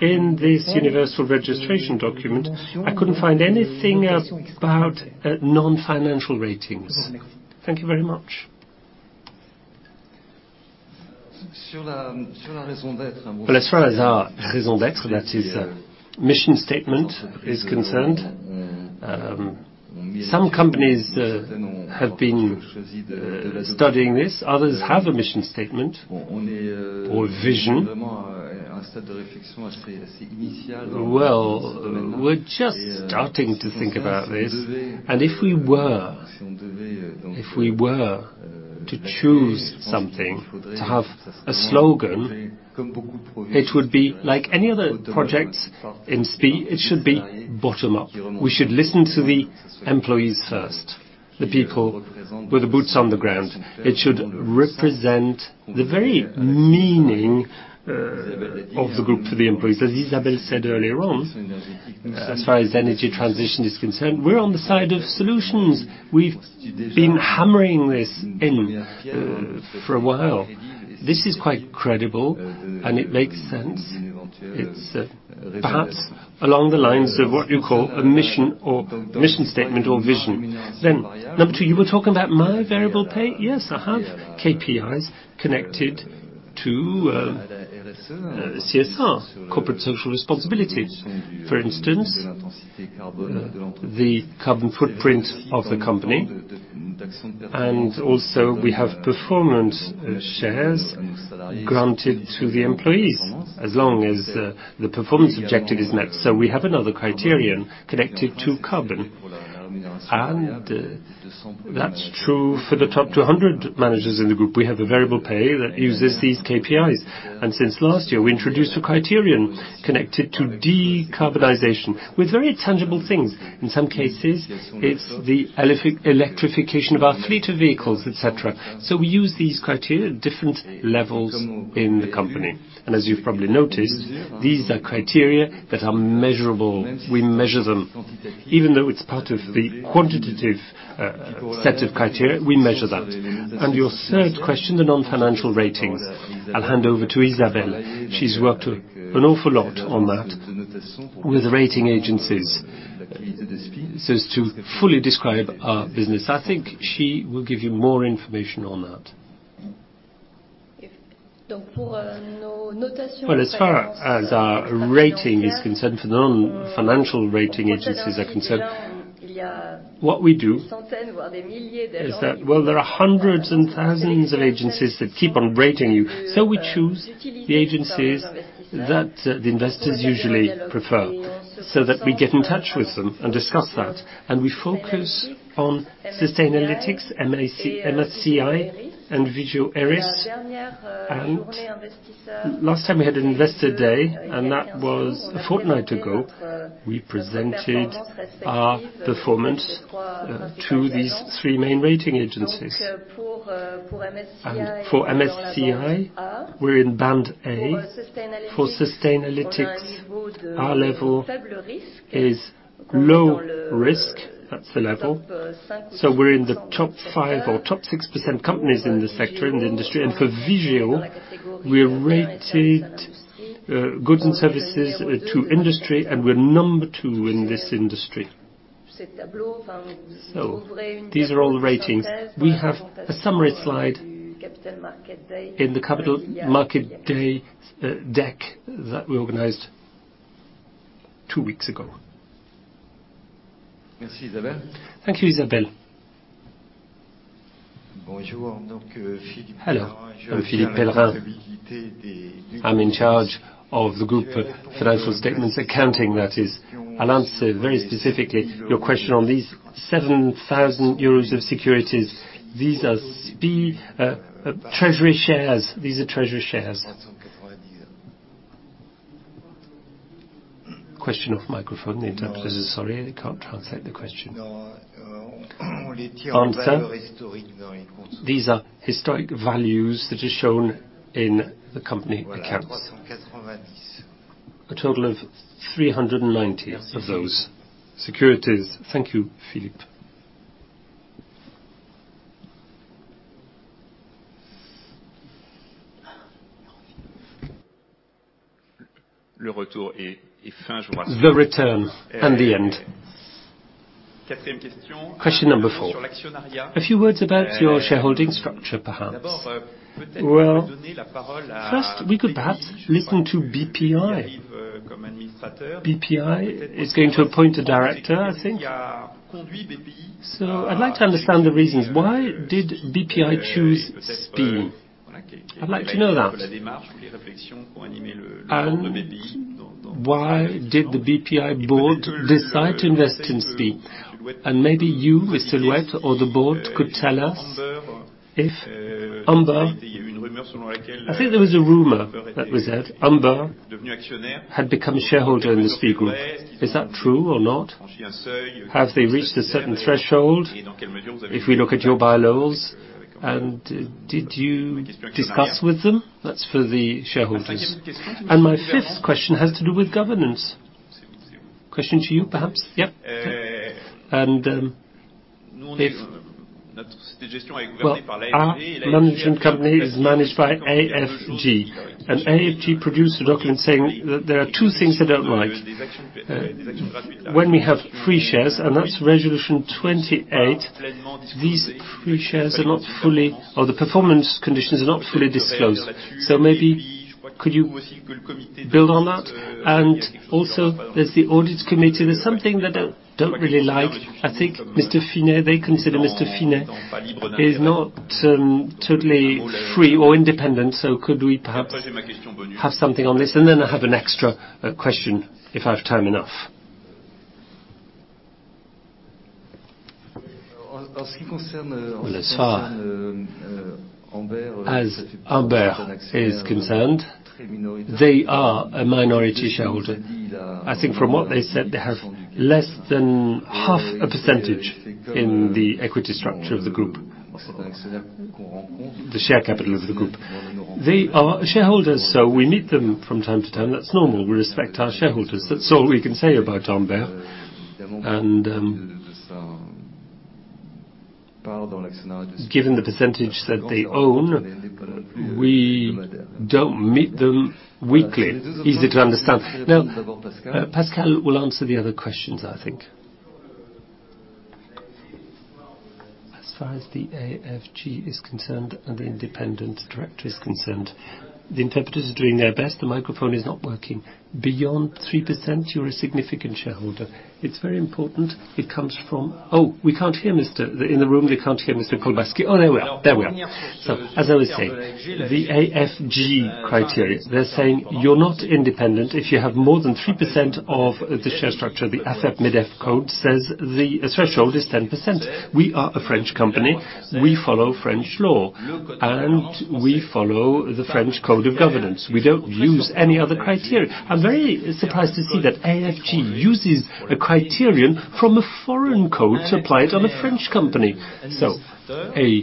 in this universal registration document, I couldn't find anything about non-financial ratings. Thank you very much. Well, as far as our raison d'être, that is, mission statement is concerned, some companies have been studying this. Others have a mission statement or vision. Well, we're just starting to think about this. If we were to choose something, to have a slogan, it would be like any other projects in SPIE, it should be bottom-up. We should listen to the employees first, the people with the boots on the ground. It should represent the very meaning of the group to the employees. As Isabelle said earlier on, as far as energy transition is concerned, we're on the side of solutions. We've been hammering this in for a while. This is quite credible and it makes sense. It's perhaps along the lines of what you call a mission or mission statement or vision. Number two, you were talking about my variable pay. Yes, I have KPIs connected to CSR, corporate social responsibilities. For instance, the carbon footprint of the company. We have performance shares granted to the employees as long as the performance objective is met. We have another criterion connected to carbon. That's true for the top 200 managers in the group. We have a variable pay that uses these KPIs. Since last year, we introduced a criterion connected to decarbonization with very tangible things. In some cases, it's the electrification of our fleet of vehicles, et cetera. We use these criteria at different levels in the company. As you've probably noticed, these are criteria that are measurable. We measure them. Even though it's part of the quantitative set of criteria, we measure that. Your third question, the non-financial ratings. I'll hand over to Isabelle. She's worked an awful lot on that with rating agencies so as to fully describe our business. I think she will give you more information on that. As far as our rating is concerned, for non-financial rating agencies are concerned, what we do is that. There are hundreds and thousands of agencies that keep on rating you. We choose the agencies that the investors usually prefer, so that we get in touch with them and discuss that. We focus on Sustainalytics, MSCI, and Vigeo Eiris. Last time we had an investor day, and that was a fortnight ago, we presented our performance to these three main rating agencies. For MSCI, we're in band A. For Sustainalytics, our level is low risk. That's the level. We're in the top five or top 6% companies in this sector, in the industry. For Vigeo, we are rated goods and services to industry, and we're number two in this industry. These are all the ratings. We have a summary slide in the capital market day deck that we organized two weeks ago. Thank you, Isabelle. Hello, I'm Philippe Pellerin. I'm in charge of the group financial statements, accounting that is. I'll answer very specifically your question on these 7,000 euros of securities. These are SPIE treasury shares. These are treasury shares. Question off microphone. Interpreters, sorry, they can't translate the question. Answer. These are historic values that are shown in the company accounts. A total of 390 of those securities. Thank you, Philippe. The return and the end. Question number four. A few words about your shareholding structure, perhaps. Well, first, we could perhaps listen to BPI. BPI is going to appoint a director, I think. I'd like to understand the reasons. Why did BPI choose SPIE? I'd like to know that. Why did the BPI board decide to invest in SPIE? Maybe you, Mr. Louette or the board, could tell us if Amber. I think there was a rumor that Amber had become shareholder in the SPIE group. Is that true or not? Have they reached a certain threshold, if we look at your bylaws, and did you discuss with them? That's for the shareholders. My 5th question has to do with governance. Question to you, perhaps? Yep. Our management company is managed by AFG. AFG produced a document saying that there are two things they don't like. When we have free shares, and that's resolution 28, these free shares are not fully or the performance conditions are not fully disclosed. So maybe could you build on that? Also, there's the audit committee. There's something that I don't really like. I think Mr. Fain, they consider Mr. Fain is not totally free or independent, so could we perhaps have something on this? Then I have an extra question if I have time enough. As far as Amber is concerned, they are a minority shareholder. I think from what they said, they have less than 0.5% in the equity structure of the group, the share capital of the group. They are shareholders, so we meet them from time to time. That's normal. We respect our shareholders. That's all we can say about Amber. Given the percentage that they own, we don't meet them weekly, easy to understand. Now, Pascal will answer the other questions, I think. As far as the AFG is concerned and the independent director is concerned, the interpreters are doing their best. The microphone is not working. Beyond 3%, you're a significant shareholder. It's very important it comes from. Oh, we can't hear, mister. In the room, they can't hear Mr. Colbatzky. Oh, there we are. As I was saying, the AFG criteria, they're saying you're not independent if you have more than 3% of the share structure. The AFEP-MEDEF code says the threshold is 10%. We are a French company. We follow French law, and we follow the French code of governance. We don't use any other criteria. I'm very surprised to see that AFG uses a criterion from a foreign code to apply it on a French company. A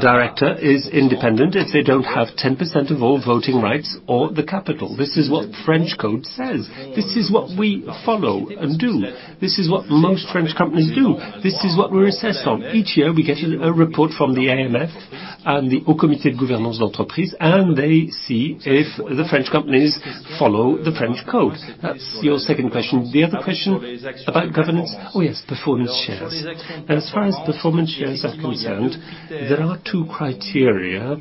director is independent if they don't have 10% of all voting rights or the capital. This is what French code says. This is what we follow and do. This is what most French companies do. This is what we're assessed on. Each year, we get a report from the AMF and the Haut Comité de Gouvernement d'Entreprise, and they see if the French companies follow the French code. That's your second question. The other question about governance? Oh, yes, performance shares. As far as performance shares are concerned, there are two criteria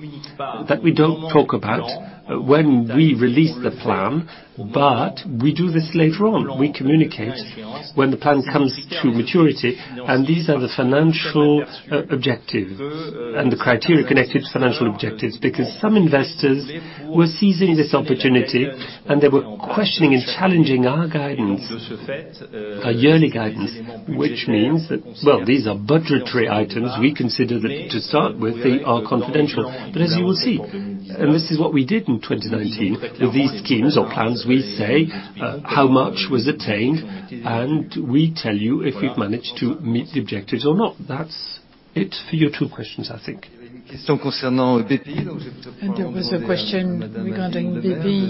that we don't talk about when we release the plan, but we do this later on. We communicate when the plan comes to maturity, and these are the financial objectives and the criteria connected to financial objectives. Because some investors were seizing this opportunity, and they were questioning and challenging our guidance, our yearly guidance, which means that, well, these are budgetary items. We consider that to start with, they are confidential. As you will see, and this is what we did in 2019, these schemes or plans, we say, how much was attained, and we tell you if we've managed to meet the objectives or not. That's it for your two questions, I think. There was a question regarding BPI.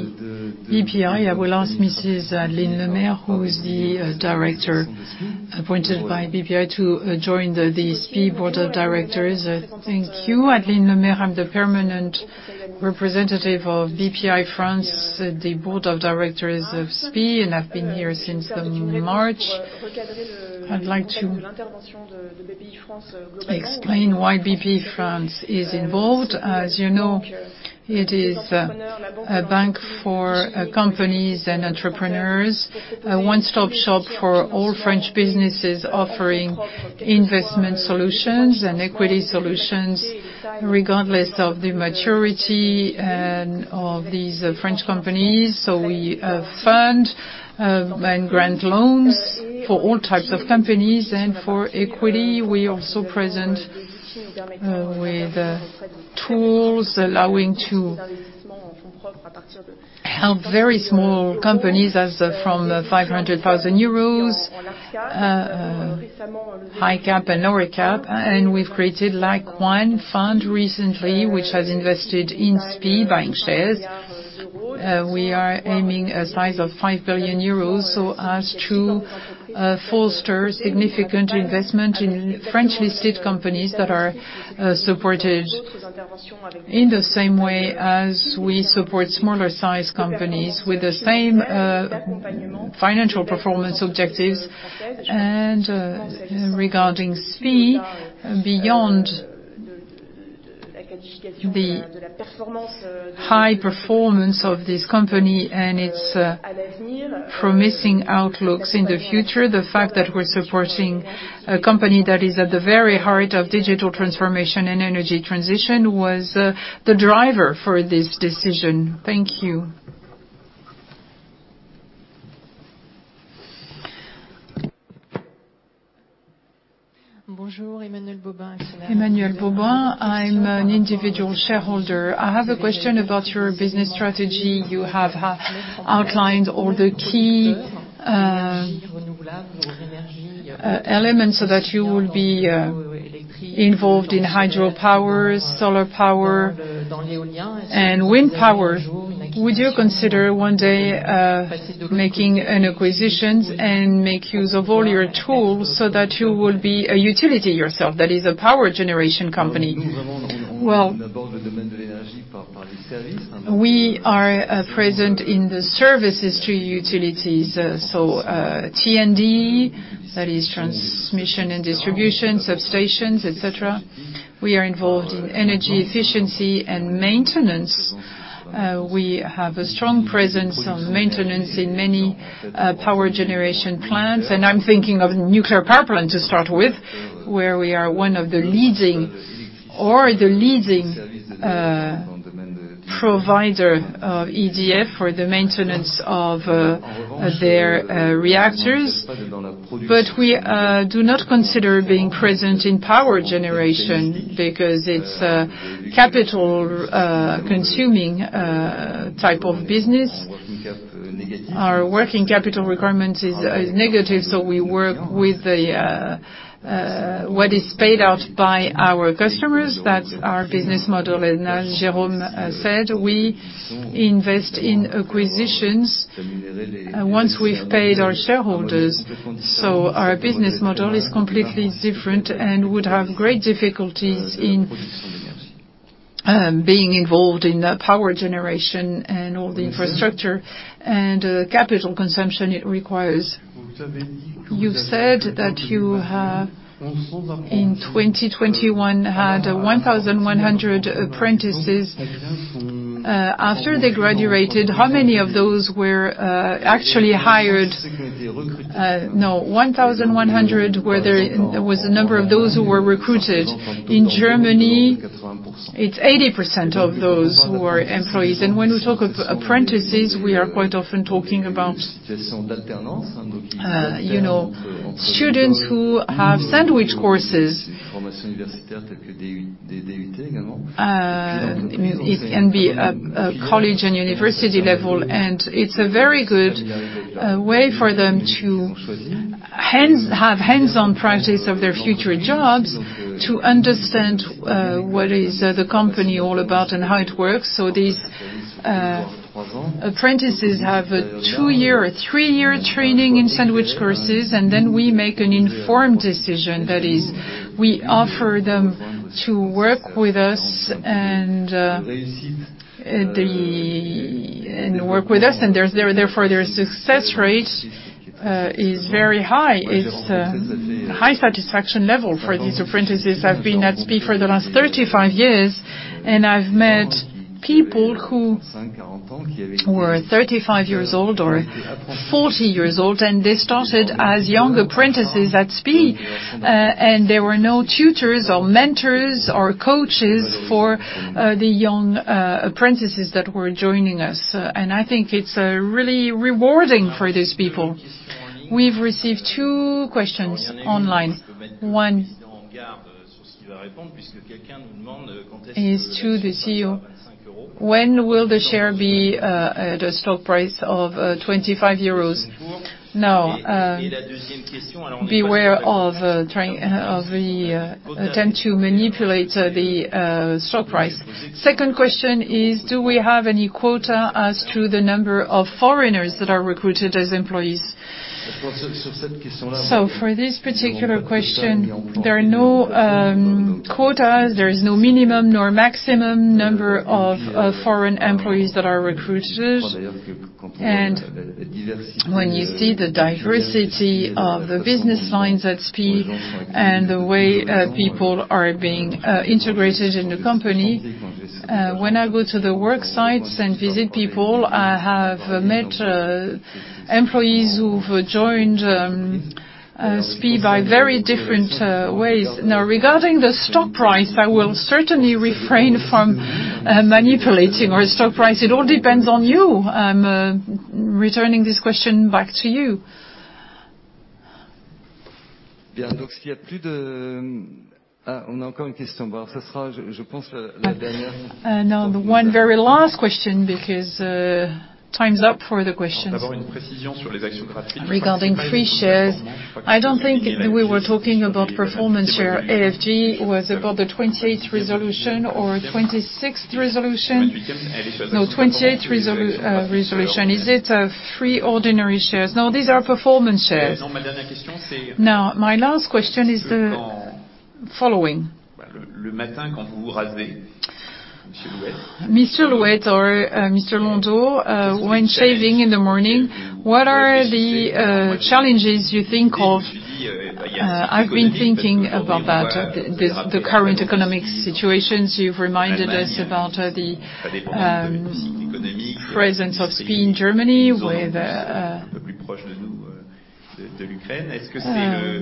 BPI, I will ask Mrs. Adeline Lemaire, who is the director appointed by BPI to join the SPIE board of directors. Thank you. Adeline Lemaire. I'm the permanent representative of Bpifrance, the board of directors of SPIE, and I've been here since March. I'd like to explain why Bpifrance is involved. As you know, it is a bank for companies and entrepreneurs, a one-stop shop for all French businesses offering investment solutions and equity solutions, regardless of the maturity and of these French companies. We fund and grant loans for all types of companies and for equity. We also present with tools allowing to help very small companies as from 500,000 euros, high cap and lower cap. We've created like one fund recently, which has invested in SPIE, buying shares. We are aiming a size of 5 billion euros so as to foster significant investment in French-listed companies that are supported in the same way as we support smaller-sized companies with the same financial performance objectives. Regarding SPIE, beyond the high performance of this company and its promising outlooks in the future, the fact that we're supporting a company that is at the very heart of digital transformation and energy transition was the driver for this decision. Thank you. Emmanuelle Boquien. I'm an individual shareholder. I have a question about your business strategy. You have outlined all the key elements so that you will be involved in hydropower, solar power, and wind power. Would you consider one day making acquisitions and make use of all your tools so that you will be a utility yourself, that is, a power generation company? Well, we are present in the services to utilities, so, T&D, that is transmission and distribution, substations, et cetera. We are involved in energy efficiency and maintenance. We have a strong presence on maintenance in many power generation plants, and I'm thinking of nuclear power plants to start with, where we are one of the leading or the leading. Provider of EDF for the maintenance of their reactors. We do not consider being present in power generation because it's a capital consuming type of business. Our working capital requirement is negative, so we work with what is paid out by our customers. That's our business model. As Jérôme said, we invest in acquisitions once we've paid our shareholders. Our business model is completely different and would have great difficulties in being involved in the power generation and all the infrastructure and capital consumption it requires. You said that you have, in 2021, had 1,100 apprentices. After they graduated, how many of those were actually hired? No, 1,100 were there. Was the number of those who were recruited. In Germany, it's 80% of those who are employees. When we talk of apprentices, we are quite often talking about, you know, students who have sandwich courses. It can be at college and university level, and it's a very good way for them to have hands-on practice of their future jobs to understand what is the company all about and how it works. These apprentices have a two-year or three-year training in sandwich courses, and then we make an informed decision. That is, we offer them to work with us, and therefore their success rate is very high. It's a high satisfaction level for these apprentices. I've been at SPIE for the last 35 years, and I've met people who were 35 years old or 40 years old, and they started as young apprentices at SPIE. There were no tutors or mentors or coaches for the young apprentices that were joining us. I think it's really rewarding for these people. We've received two questions online. One is to the CEO. When will the share be the stock price of 25 euros? Now, beware of the attempt to manipulate the stock price. Second question is do we have any quota as to the number of foreigners that are recruited as employees? For this particular question, there are no quotas. There is no minimum nor maximum number of foreign employees that are recruited. When you see the diversity of the business lines at SPIE and the way people are being integrated in the company, when I go to the work sites and visit people, I have met employees who've joined SPIE by very different ways. Now regarding the stock price, I will certainly refrain from manipulating our stock price. It all depends on you. I'm returning this question back to you. Now the one very last question, because time's up for the questions. Regarding free shares, I don't think we were talking about performance share. AFG was about the 20th resolution or 26th resolution. No, 20th resolution. Is it free ordinary shares? No, these are performance shares. Now, my last question is the following. Mr. Louette or Mr. Mr. Louette, when shaving in the morning, what are the challenges you think of? I've been thinking about that. The current economic situations, you've reminded us about the presence of SPIE in Germany with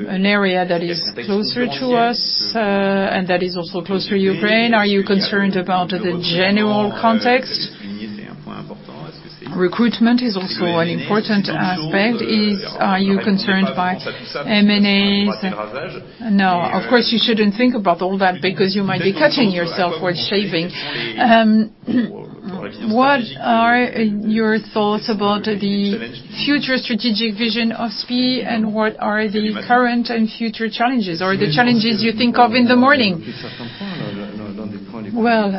an area that is closer to us, and that is also close to Ukraine. Are you concerned about the general context? Recruitment is also an important aspect. Are you concerned by M&As? No. Of course, you shouldn't think about all that because you might be cutting yourself when shaving. What are your thoughts about the future strategic vision of SPIE, and what are the current and future challenges, or the challenges you think of in the morning? Well,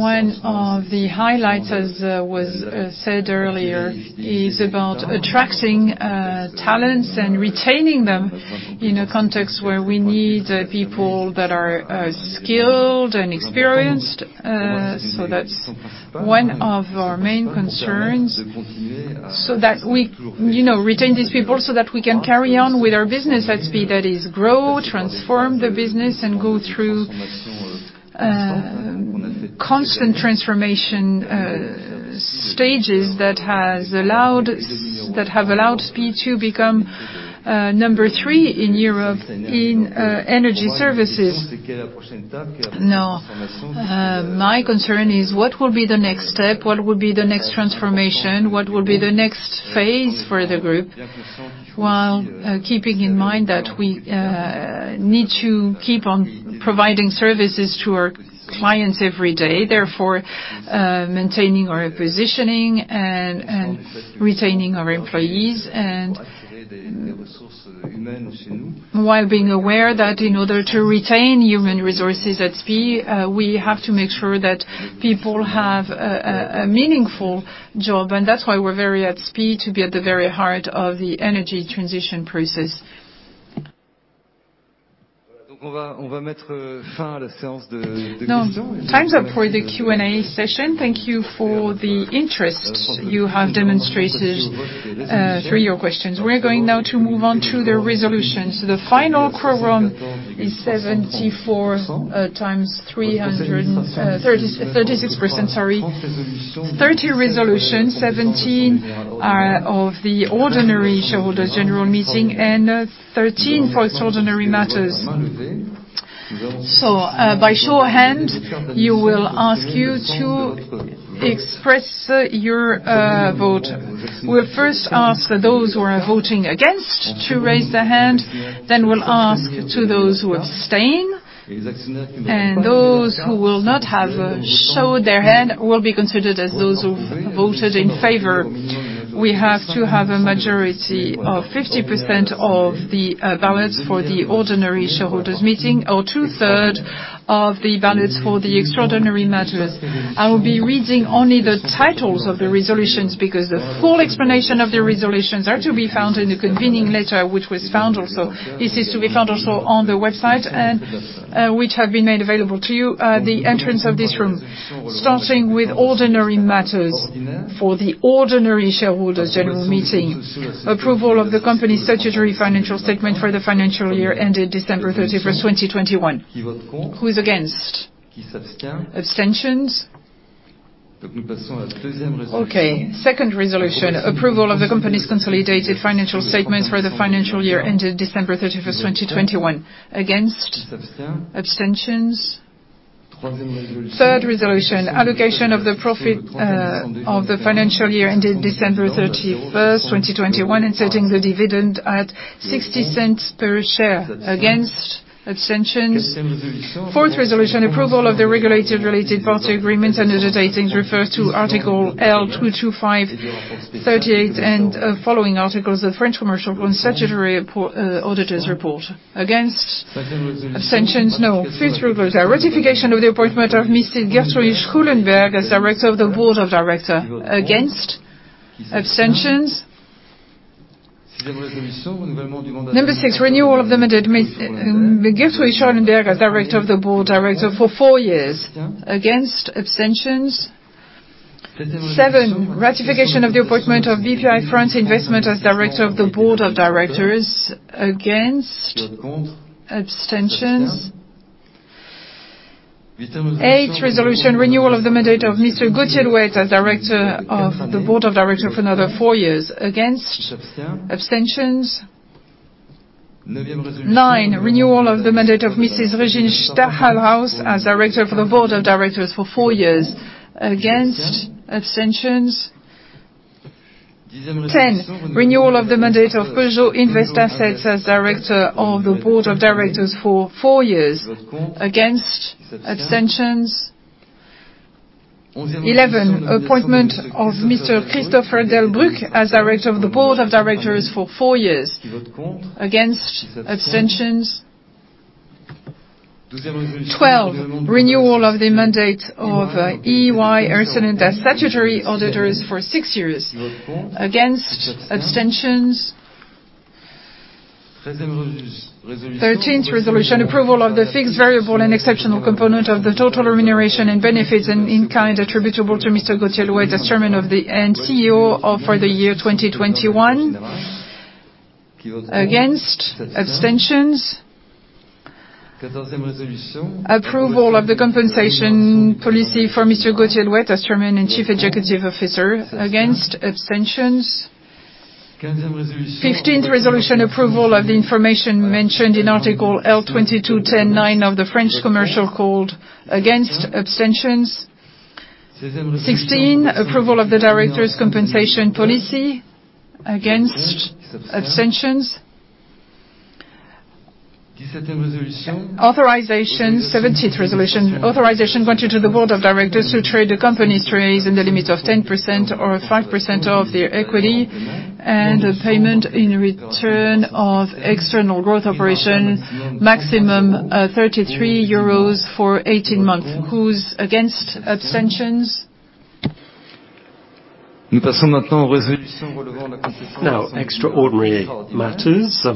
one of the highlights, as was said earlier, is about attracting talents and retaining them in a context where we need people that are skilled and experienced. So that's one of our main concerns so that we, you know, retain these people so that we can carry on with our business at speed. That is grow, transform the business and go through constant transformation stages that have allowed SPIE to become number three in Europe in energy services. Now, my concern is what will be the next step? What will be the next transformation? What will be the next phase for the group? While keeping in mind that we need to keep on providing services to our clients every day. Therefore, maintaining our positioning and retaining our employees. While being aware that in order to retain human resources at SPIE, we have to make sure that people have a meaningful job. That's why we're very at SPIE to be at the very heart of the energy transition process. Now, time's up for the Q&A session. Thank you for the interest you have demonstrated through your questions. We're going now to move on to the resolutions. The final quorum is 74.336%, sorry. 30 resolutions, 17 are of the ordinary shareholders general meeting, and 13 for extraordinary matters. By show of hands, I will ask you to express your vote. We'll first ask those who are voting against to raise their hand, then we'll ask to those who abstain, and those who will not have showed their hand will be considered as those who voted in favor. We have to have a majority of 50% of the ballots for the ordinary shareholders meeting, or two-thirds of the ballots for the extraordinary matters. I will be reading only the titles of the resolutions because the full explanation of the resolutions are to be found in the convening letter which was found also. This is to be found also on the website and which have been made available to you at the entrance of this room. Starting with ordinary matters for the ordinary shareholders' general meeting. Approval of the company's statutory financial statement for the financial year ended December 31, 2021. Who is against? Abstentions? Okay. Second resolution, approval of the company's consolidated financial statements for the financial year ended December 31, 2021. Against? Abstentions? Third resolution, allocation of the profit of the financial year ended December 31, 2021, and setting the dividend at 0.60 per share. Against? Abstentions? Fourth resolution, approval of the regulated related party agreements referred to Article L.225-38, and following articles of French Commercial Code statutory auditor's report. Against? Abstentions? No. Fifth resolution, ratification of the appointment of Ms. Trudy Schoolenberg as director of the Board of Directors. Against? Abstentions? Number six, renewal of the mandate of Trudy Schoolenberg as director of the Board of Directors for four years. Against? Abstentions? Seven, ratification of the appointment of Bpifrance Investissement as director of the Board of Directors. Against? Abstentions? Eight, resolution renewal of the mandate of Mr. Gauthier Louette as director of the board of directors for another four years. Against? Abstentions? Nine, renewal of the mandate of Mrs. Regine Stachelhaus as director of the board of directors for four years. Against? Abstentions? Ten, renewal of the mandate of Peugeot Invest Assets as director of the board of directors for four years. Against? Abstentions? Eleven, appointment of Mr. Christopher Delbrück as director of the board of directors for four years. Against? Abstentions? Twelve, renewal of the mandate of EY Ernst & Young as statutory auditors for six years. Against? Abstentions? Thirteen, resolution approval of the fixed variable and exceptional component of the total remuneration and benefits in kind attributable to Mr. Gauthier Louette as chairman and CEO for the year 2021. Against? Abstentions? Approval of the compensation policy for Mr. Gauthier Louette as chairman and chief executive officer. Against? Abstentions? Fifteenth resolution: approval of the information mentioned in Article L.2210-9 of the French Commercial Code. Against? Abstentions? Sixteenth resolution: approval of the directors' compensation policy. Against? Abstentions? Authorizations. Seventeenth resolution: authorization granted to the board of directors to trade the company's shares in the limits of 10% or 5% of the share capital, and in payment for external growth operations maximum 33 euros for 18 months. Who is against? Abstentions? Now, extraordinary matters.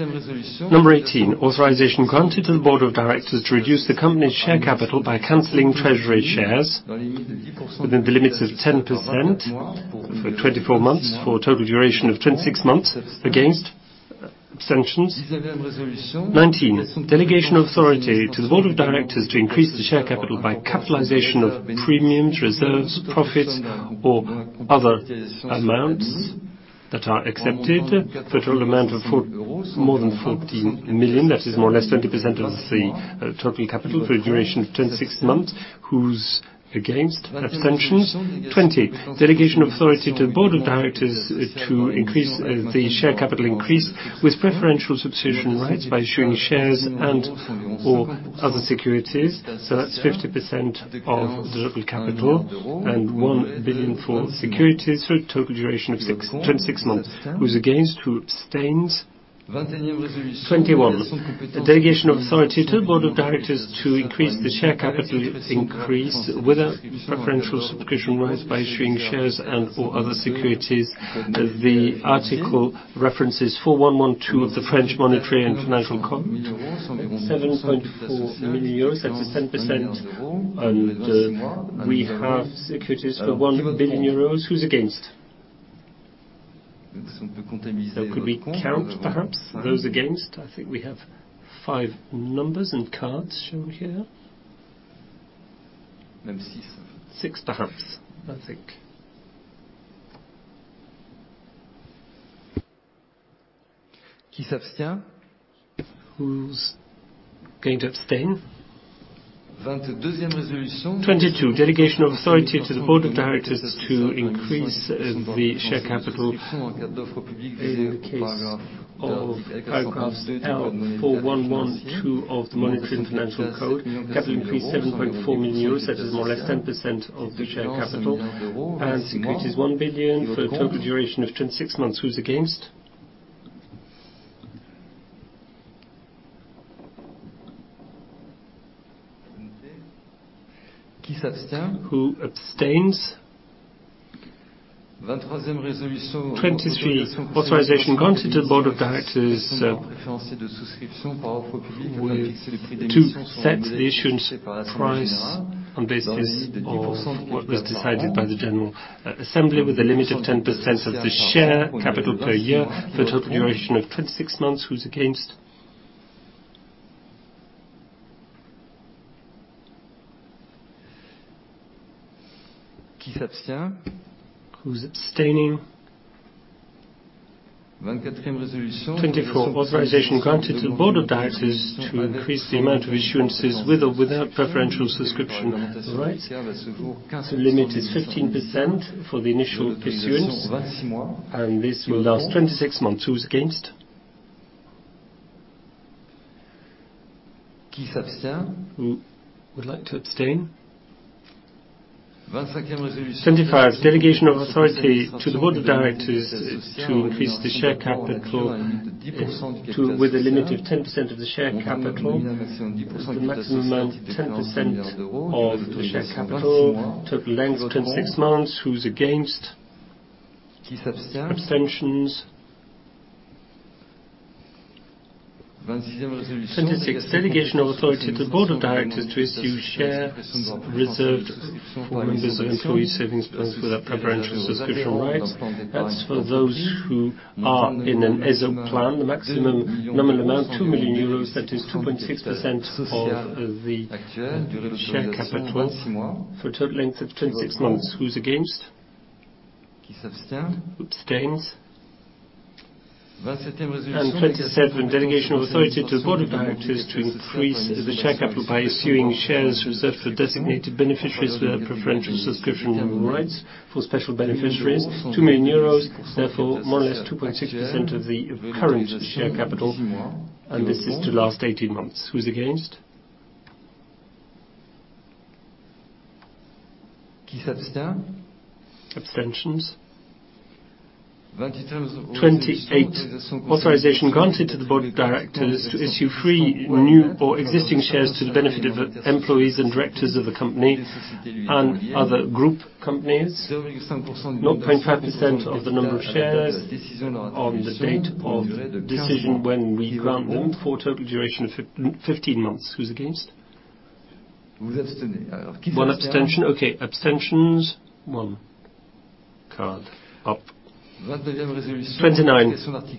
Eighteenth resolution: authorization granted to the board of directors to reduce the company's share capital by canceling treasury shares within the limits of 10% for 24 months, for a total duration of 26 months. Against? Abstentions? Nineteenth resolution: delegation of authority to the board of directors to increase the share capital by capitalization of premiums, reserves, profits or other amounts. That are accepted. Total amount of more than 14 million. That is more or less 20% of the total capital for a duration of 26 months. Who's against? Abstentions? 20. Delegation of authority to the board of directors to increase the share capital increase with preferential subscription rights by issuing shares and/or other securities. That's 50% of the total capital and 1 billion for securities for a total duration of 26 months. Who's against? Who abstains? 21. Delegation of authority to the board of directors to increase the share capital increase with preferential subscription rights by issuing shares and/or other securities. The article references Article L.411-2 of the French Monetary and Financial Code. 7.4 million euros. That is 10%. We have securities for 1 billion euros. Who's against? Could we count perhaps those against? I think we have five hands and cards shown here. Six perhaps. Who's going to abstain? 22, delegation of authority to the board of directors to increase the share capital in the case of Article L.411-2 of the French Monetary and Financial Code. Capital increase 7.4 million euros. That is more or less 10% of the share capital. Securities, 1 billion for a total duration of 26 months. Who's against? Who abstains? 23, authorization granted to the board of directors to set the issuance price on the basis of what was decided by the general assembly with a limit of 10% of the share capital per year for a total duration of 26 months. Who's against? Who's abstaining? 24, authorization granted to the board of directors to increase the amount of issuances with or without preferential subscription rights. The limit is 15% for the initial issuance, and this will last 26 months. Who's against? Who would like to abstain? 25, delegation of authority to the board of directors is to increase the share capital with a limit of 10% of the share capital. The maximum amount, 10% of the share capital. Total length, 26 months. Who's against? Abstentions? 26, delegation of authority to the board of directors to issue shares reserved for members of employee savings plans with their preferential subscription rights. That's for those who are in an ESO plan. The maximum nominal amount, 2 million euros. That is 2.6% of the share capital for a total length of 26 months. Who's against? Who abstains? 27, delegation of authority to the board of directors to increase the share capital by issuing shares reserved for designated beneficiaries with their preferential subscription rights for special beneficiaries. 2 million euros, therefore more or less 2.6% of the current share capital, and this is to last 18 months. Who's against? Abstentions? 28, authorization granted to the board of directors to issue free new or existing shares to the benefit of employees and directors of the company and other group companies. 0.5% of the number of shares on the date of decision when we grant them for a total duration of 15 months. Who's against? One abstention. Okay. Abstentions? One. Card up. 29,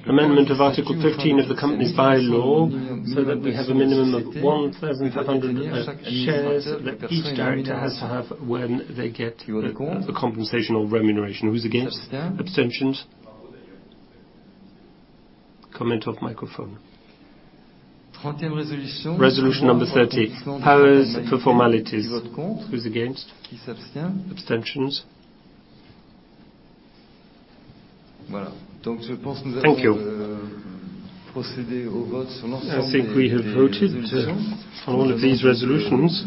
amendment of Article 15 of the company's bylaw so that we have a minimum of 1,500 shares that each director has to have when they get the compensation or remuneration. Who's against? Abstentions? Comment off microphone. Resolution number 30, powers for formalities. Who's against? Abstentions? Thank you. I think we have voted on all of these resolutions.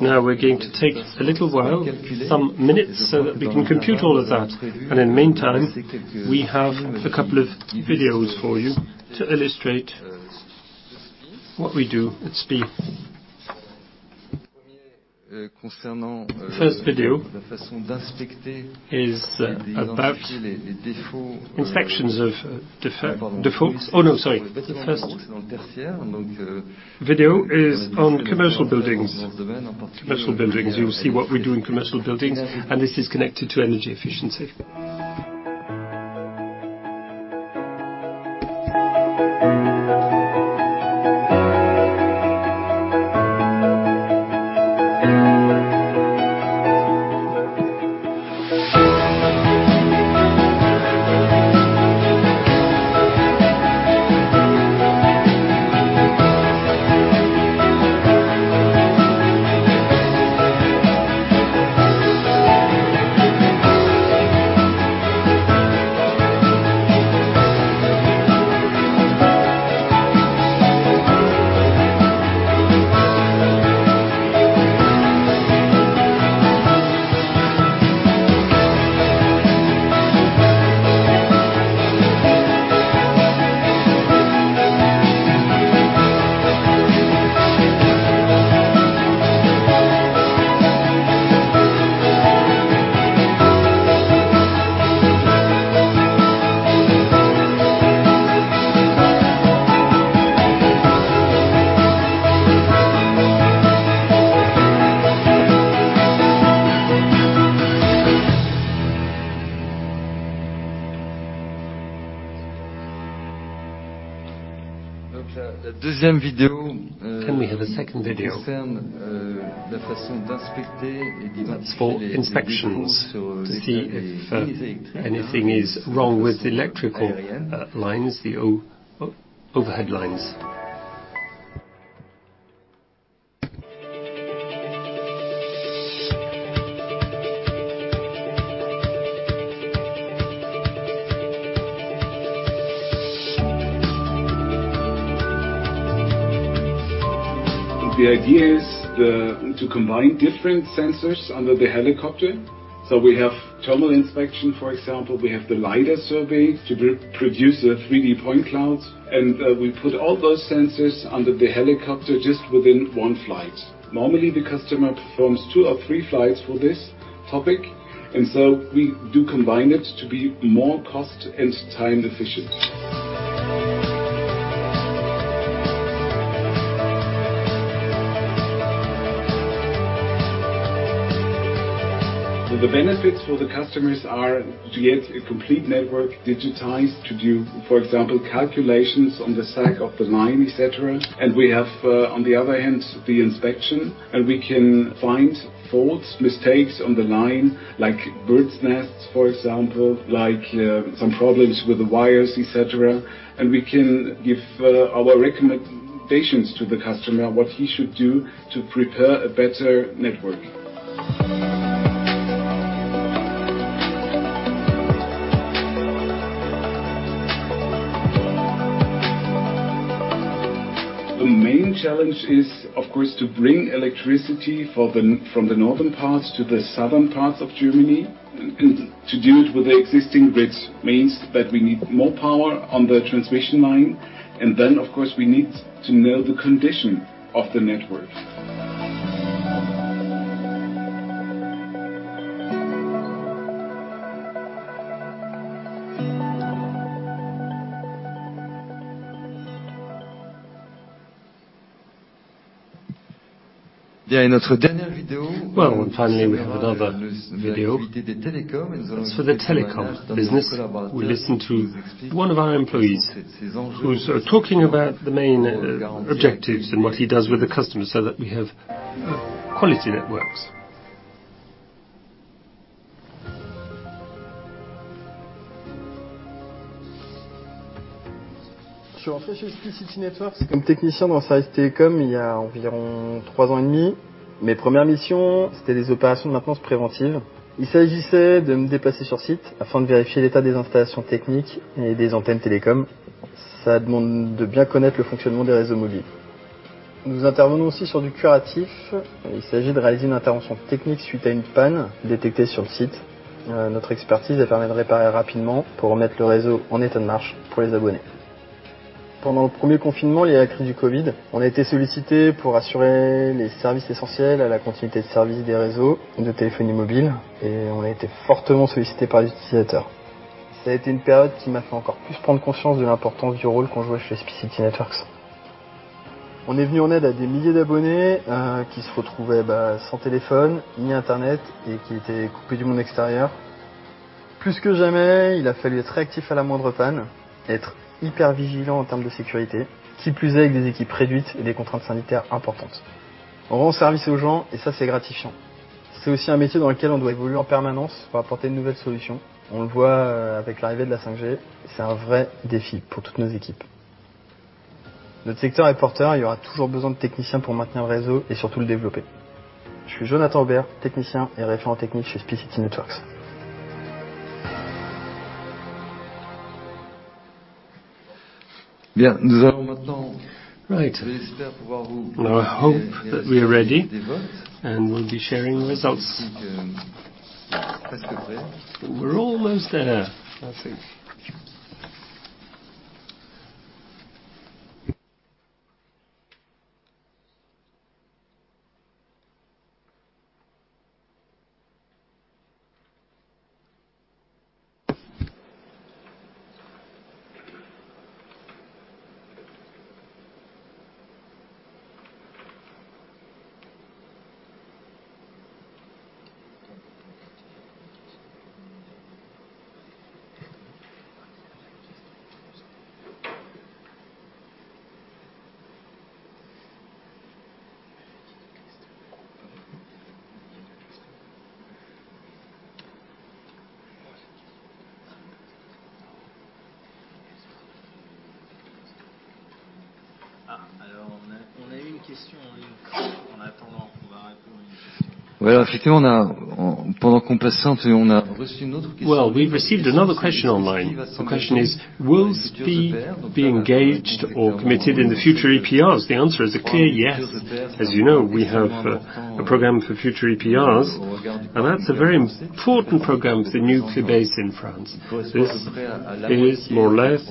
Now we're going to take a little while, some minutes, so that we can compute all of that. In the meantime, we have a couple of videos for you to illustrate what we do at SPIE. First video is on commercial buildings. Commercial buildings, you'll see what we do in commercial buildings, and this is connected to energy efficiency. We have a second video. That's for inspections to see if anything is wrong with electrical lines, the overhead lines. The idea is to combine different sensors under the helicopter. We have thermal inspection, for example. We have the LiDAR survey to produce the 3D point clouds, and we put all those sensors under the helicopter just within one flight. Normally, the customer performs two or three flights for this topic. We do combine it to be more cost and time efficient. The benefits for the customers are to get a complete network digitized to do, for example, calculations on the sag of the line, et cetera. We have, on the other hand, the inspection, and we can find faults, mistakes on the line like birds nests, for example, like some problems with the wires, et cetera. We can give our recommendations to the customer, what he should do to prepare a better network. The main challenge is, of course, to bring electricity from the northern parts to the southern parts of Germany. To do it with the existing grid means that we need more power on the transmission line. Of course, we need to know the condition of the network. Well, finally, we have another video. That's for the telecom business. We listen to one of our employees who's talking about the main objectives and what he does with the customers so that we have quality networks. Right. Now I hope that we are ready, and we'll be sharing the results. We're almost there. Well, we've received another question online. The question is: Will SPIE be engaged or committed in the future EPRs? The answer is a clear yes. As you know, we have a program for future EPRs, and that's a very important program for the nuclear baseload in France. This is more or less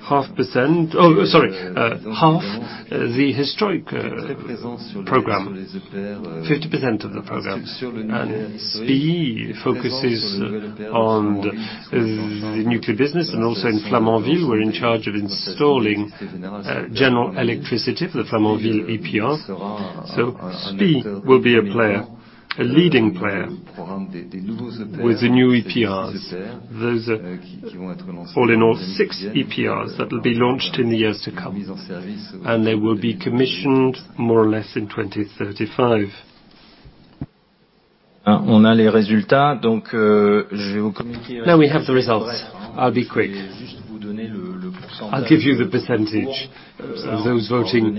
half the historic program, 50% of the program. SPIE focuses on the nuclear business and also in Flamanville we're in charge of installing general electricity for the Flamanville EPR. SPIE will be a player, a leading player with the new EPRs. Those all in all, 6 EPRs that will be launched in the years to come, and they will be commissioned more or less in 2035. Now we have the results. I'll be quick. I'll give you the percentage of those voting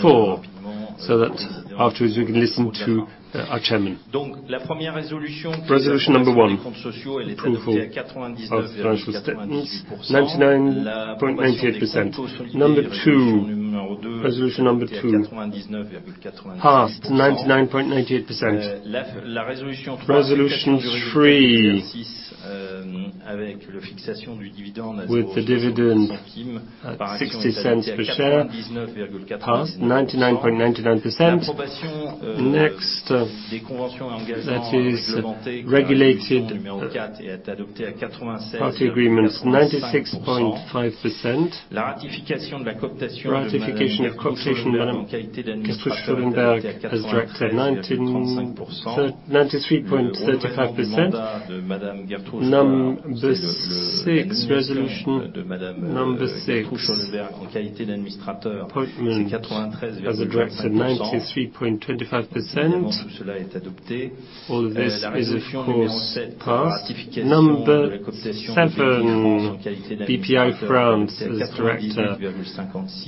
for so that afterwards we can listen to our chairman. Resolution number one, approval of financial statements, 99.98%. Number two, resolution number two passed 99.98%. Resolution 3, with the dividend at 0.60 EUR per share, passed 99.99%. Next, that is regulated party agreements, 96.5%. Ratification of co-optation of Madame Trudy Schoolenberg as director, 93.35%. Number six, resolution number six, appointment as a director, 93.25%. All of this is, of course, passed. Number seven, Bpifrance as director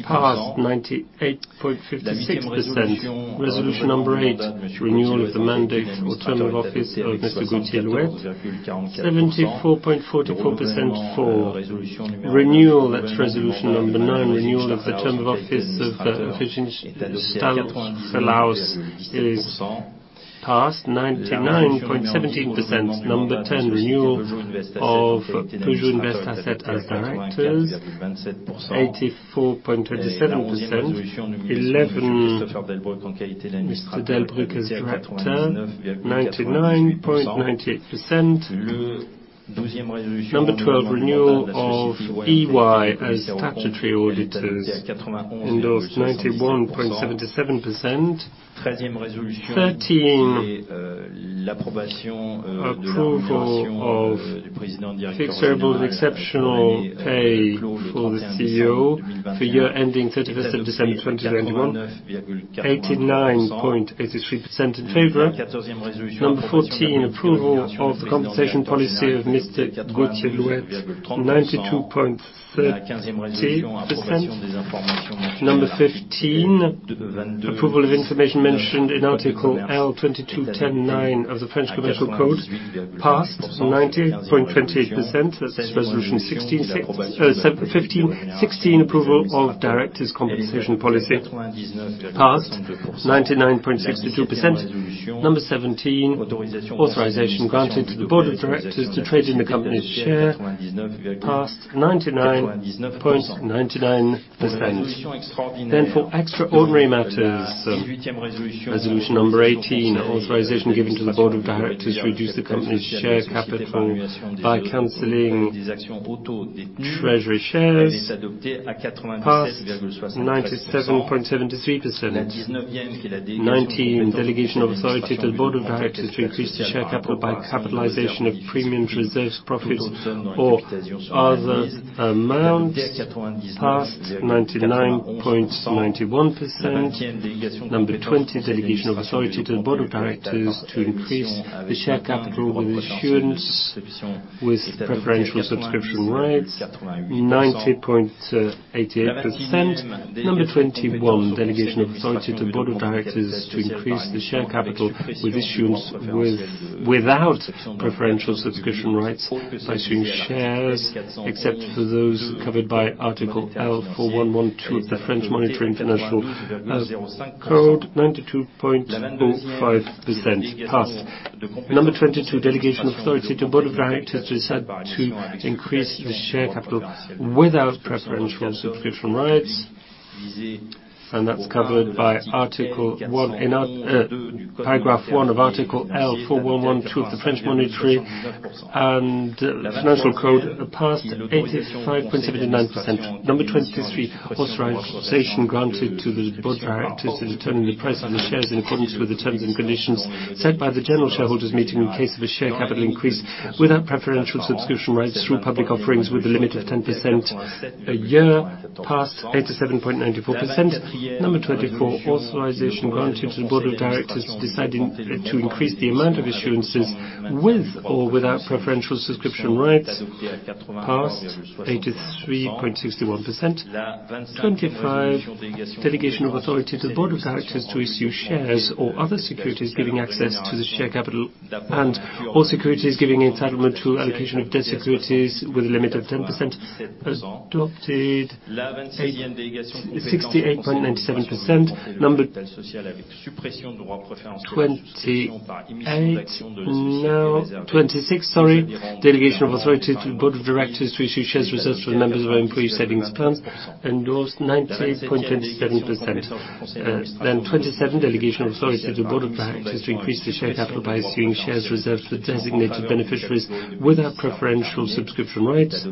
passed 98.56%. Resolution number eight, renewal of the mandate or term of office of Mr. Gauthier Louette, 74.44% for. Renewal, that's resolution number 9, renewal of the term of office of Regine Stachelhaus is passed 99.78%. Number 10, renewal of Peugeot Invest Assets as directors, 84.27%. 11, Mr. Delbrück as director, 99.98%. Number 12, renewal of EY as statutory auditors endorsed 91.77%. 13, approval of variable exceptional pay for the CEO for year ending 31 December 2029, 89.83% in favor. Number 14, approval of the compensation policy of Mr. Gauthier Louette, 92.30%. Number 15, approval of information mentioned in Article L.22-10-9 of the French Commercial Code, passed 90.28%. That's resolution 16, approval of directors' compensation policy passed 99.62%. Number 17, authorization granted to the board of directors to trade in the company's share passed 99.99%. For extraordinary matters, resolution number 18, authorization given to the board of directors to reduce the company's share capital by canceling treasury shares passed 97.73%. 19, delegation of authority to the board of directors to increase the share capital by capitalization of premiums, reserved profits or other amounts passed 99.91%. Number 20, delegation of authority to the board of directors to increase the share capital with issuance with preferential subscription rights, 90.88%. Number 21, delegation of authority to the board of directors to increase the share capital with issuance without preferential subscription rights by issuing shares, except for those covered by Article L.411-2 of the French Monetary and Financial Code, 92.05% passed. Number 22, delegation of authority to the board of directors to decide to increase the share capital without preferential subscription rights. That's covered by article one. In Article, paragraph one of Article L.411-2 of the French Monetary and Financial Code, passed 85.79%. Number 23, authorization granted to the board of directors to determine the price of the shares in accordance with the terms and conditions set by the general shareholders' meeting in case of a share capital increase without preferential subscription rights through public offerings with a limit of 10% a year, passed 87.94%. Number 24, authorization granted to the board of directors deciding to increase the amount of issuances with or without preferential subscription rights, passed 83.61%. 25, delegation of authority to the board of directors to issue shares or other securities giving access to the share capital and all securities giving entitlement to allocation of debt securities with a limit of 10%, adopted 68.97%. Number 26, delegation of authority to the board of directors to issue shares reserved for members of our employee savings plans, endorsed 90.27%. 27, delegation of authority to the board of directors to increase the share capital by issuing shares reserved for designated beneficiaries without preferential subscription rates,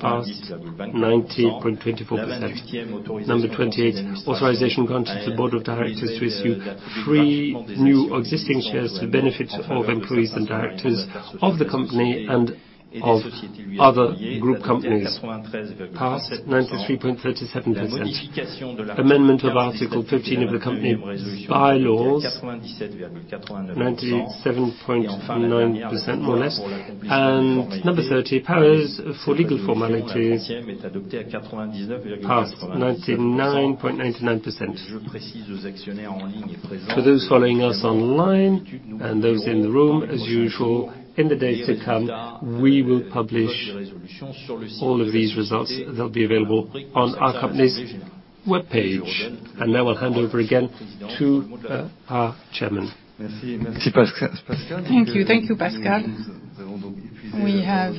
passed 90.24%. Number 28, authorization granted to the board of directors to issue or new or existing shares to the benefit of employees and directors of the company and of other group companies, passed 93.37%. Amendment of Article 15 of the company bylaws, 97.9% more or less. Number 30, powers for legal formalities, passed 99.99%. For those following us online and those in the room, as usual, in the days to come, we will publish all of these results. They'll be available on our company's webpage. Now I'll hand over again to our chairman. Thank you. Thank you, Pascal. We have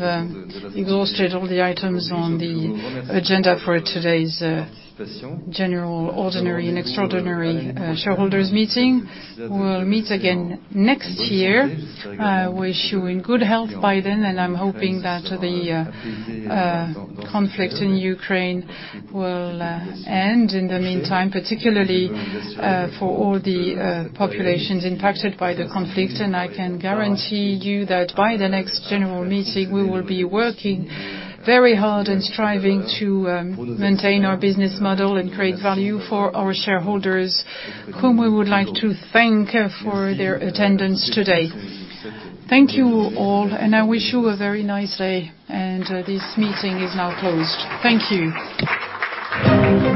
exhausted all the items on the agenda for today's general ordinary and extraordinary shareholders meeting. We'll meet again next year. I wish you in good health by then, and I'm hoping that the conflict in Ukraine will end in the meantime, particularly for all the populations impacted by the conflict. I can guarantee you that by the next general meeting, we will be working very hard and striving to maintain our business model and create value for our shareholders, whom we would like to thank for their attendance today. Thank you all, and I wish you a very nice day. This meeting is now closed. Thank you.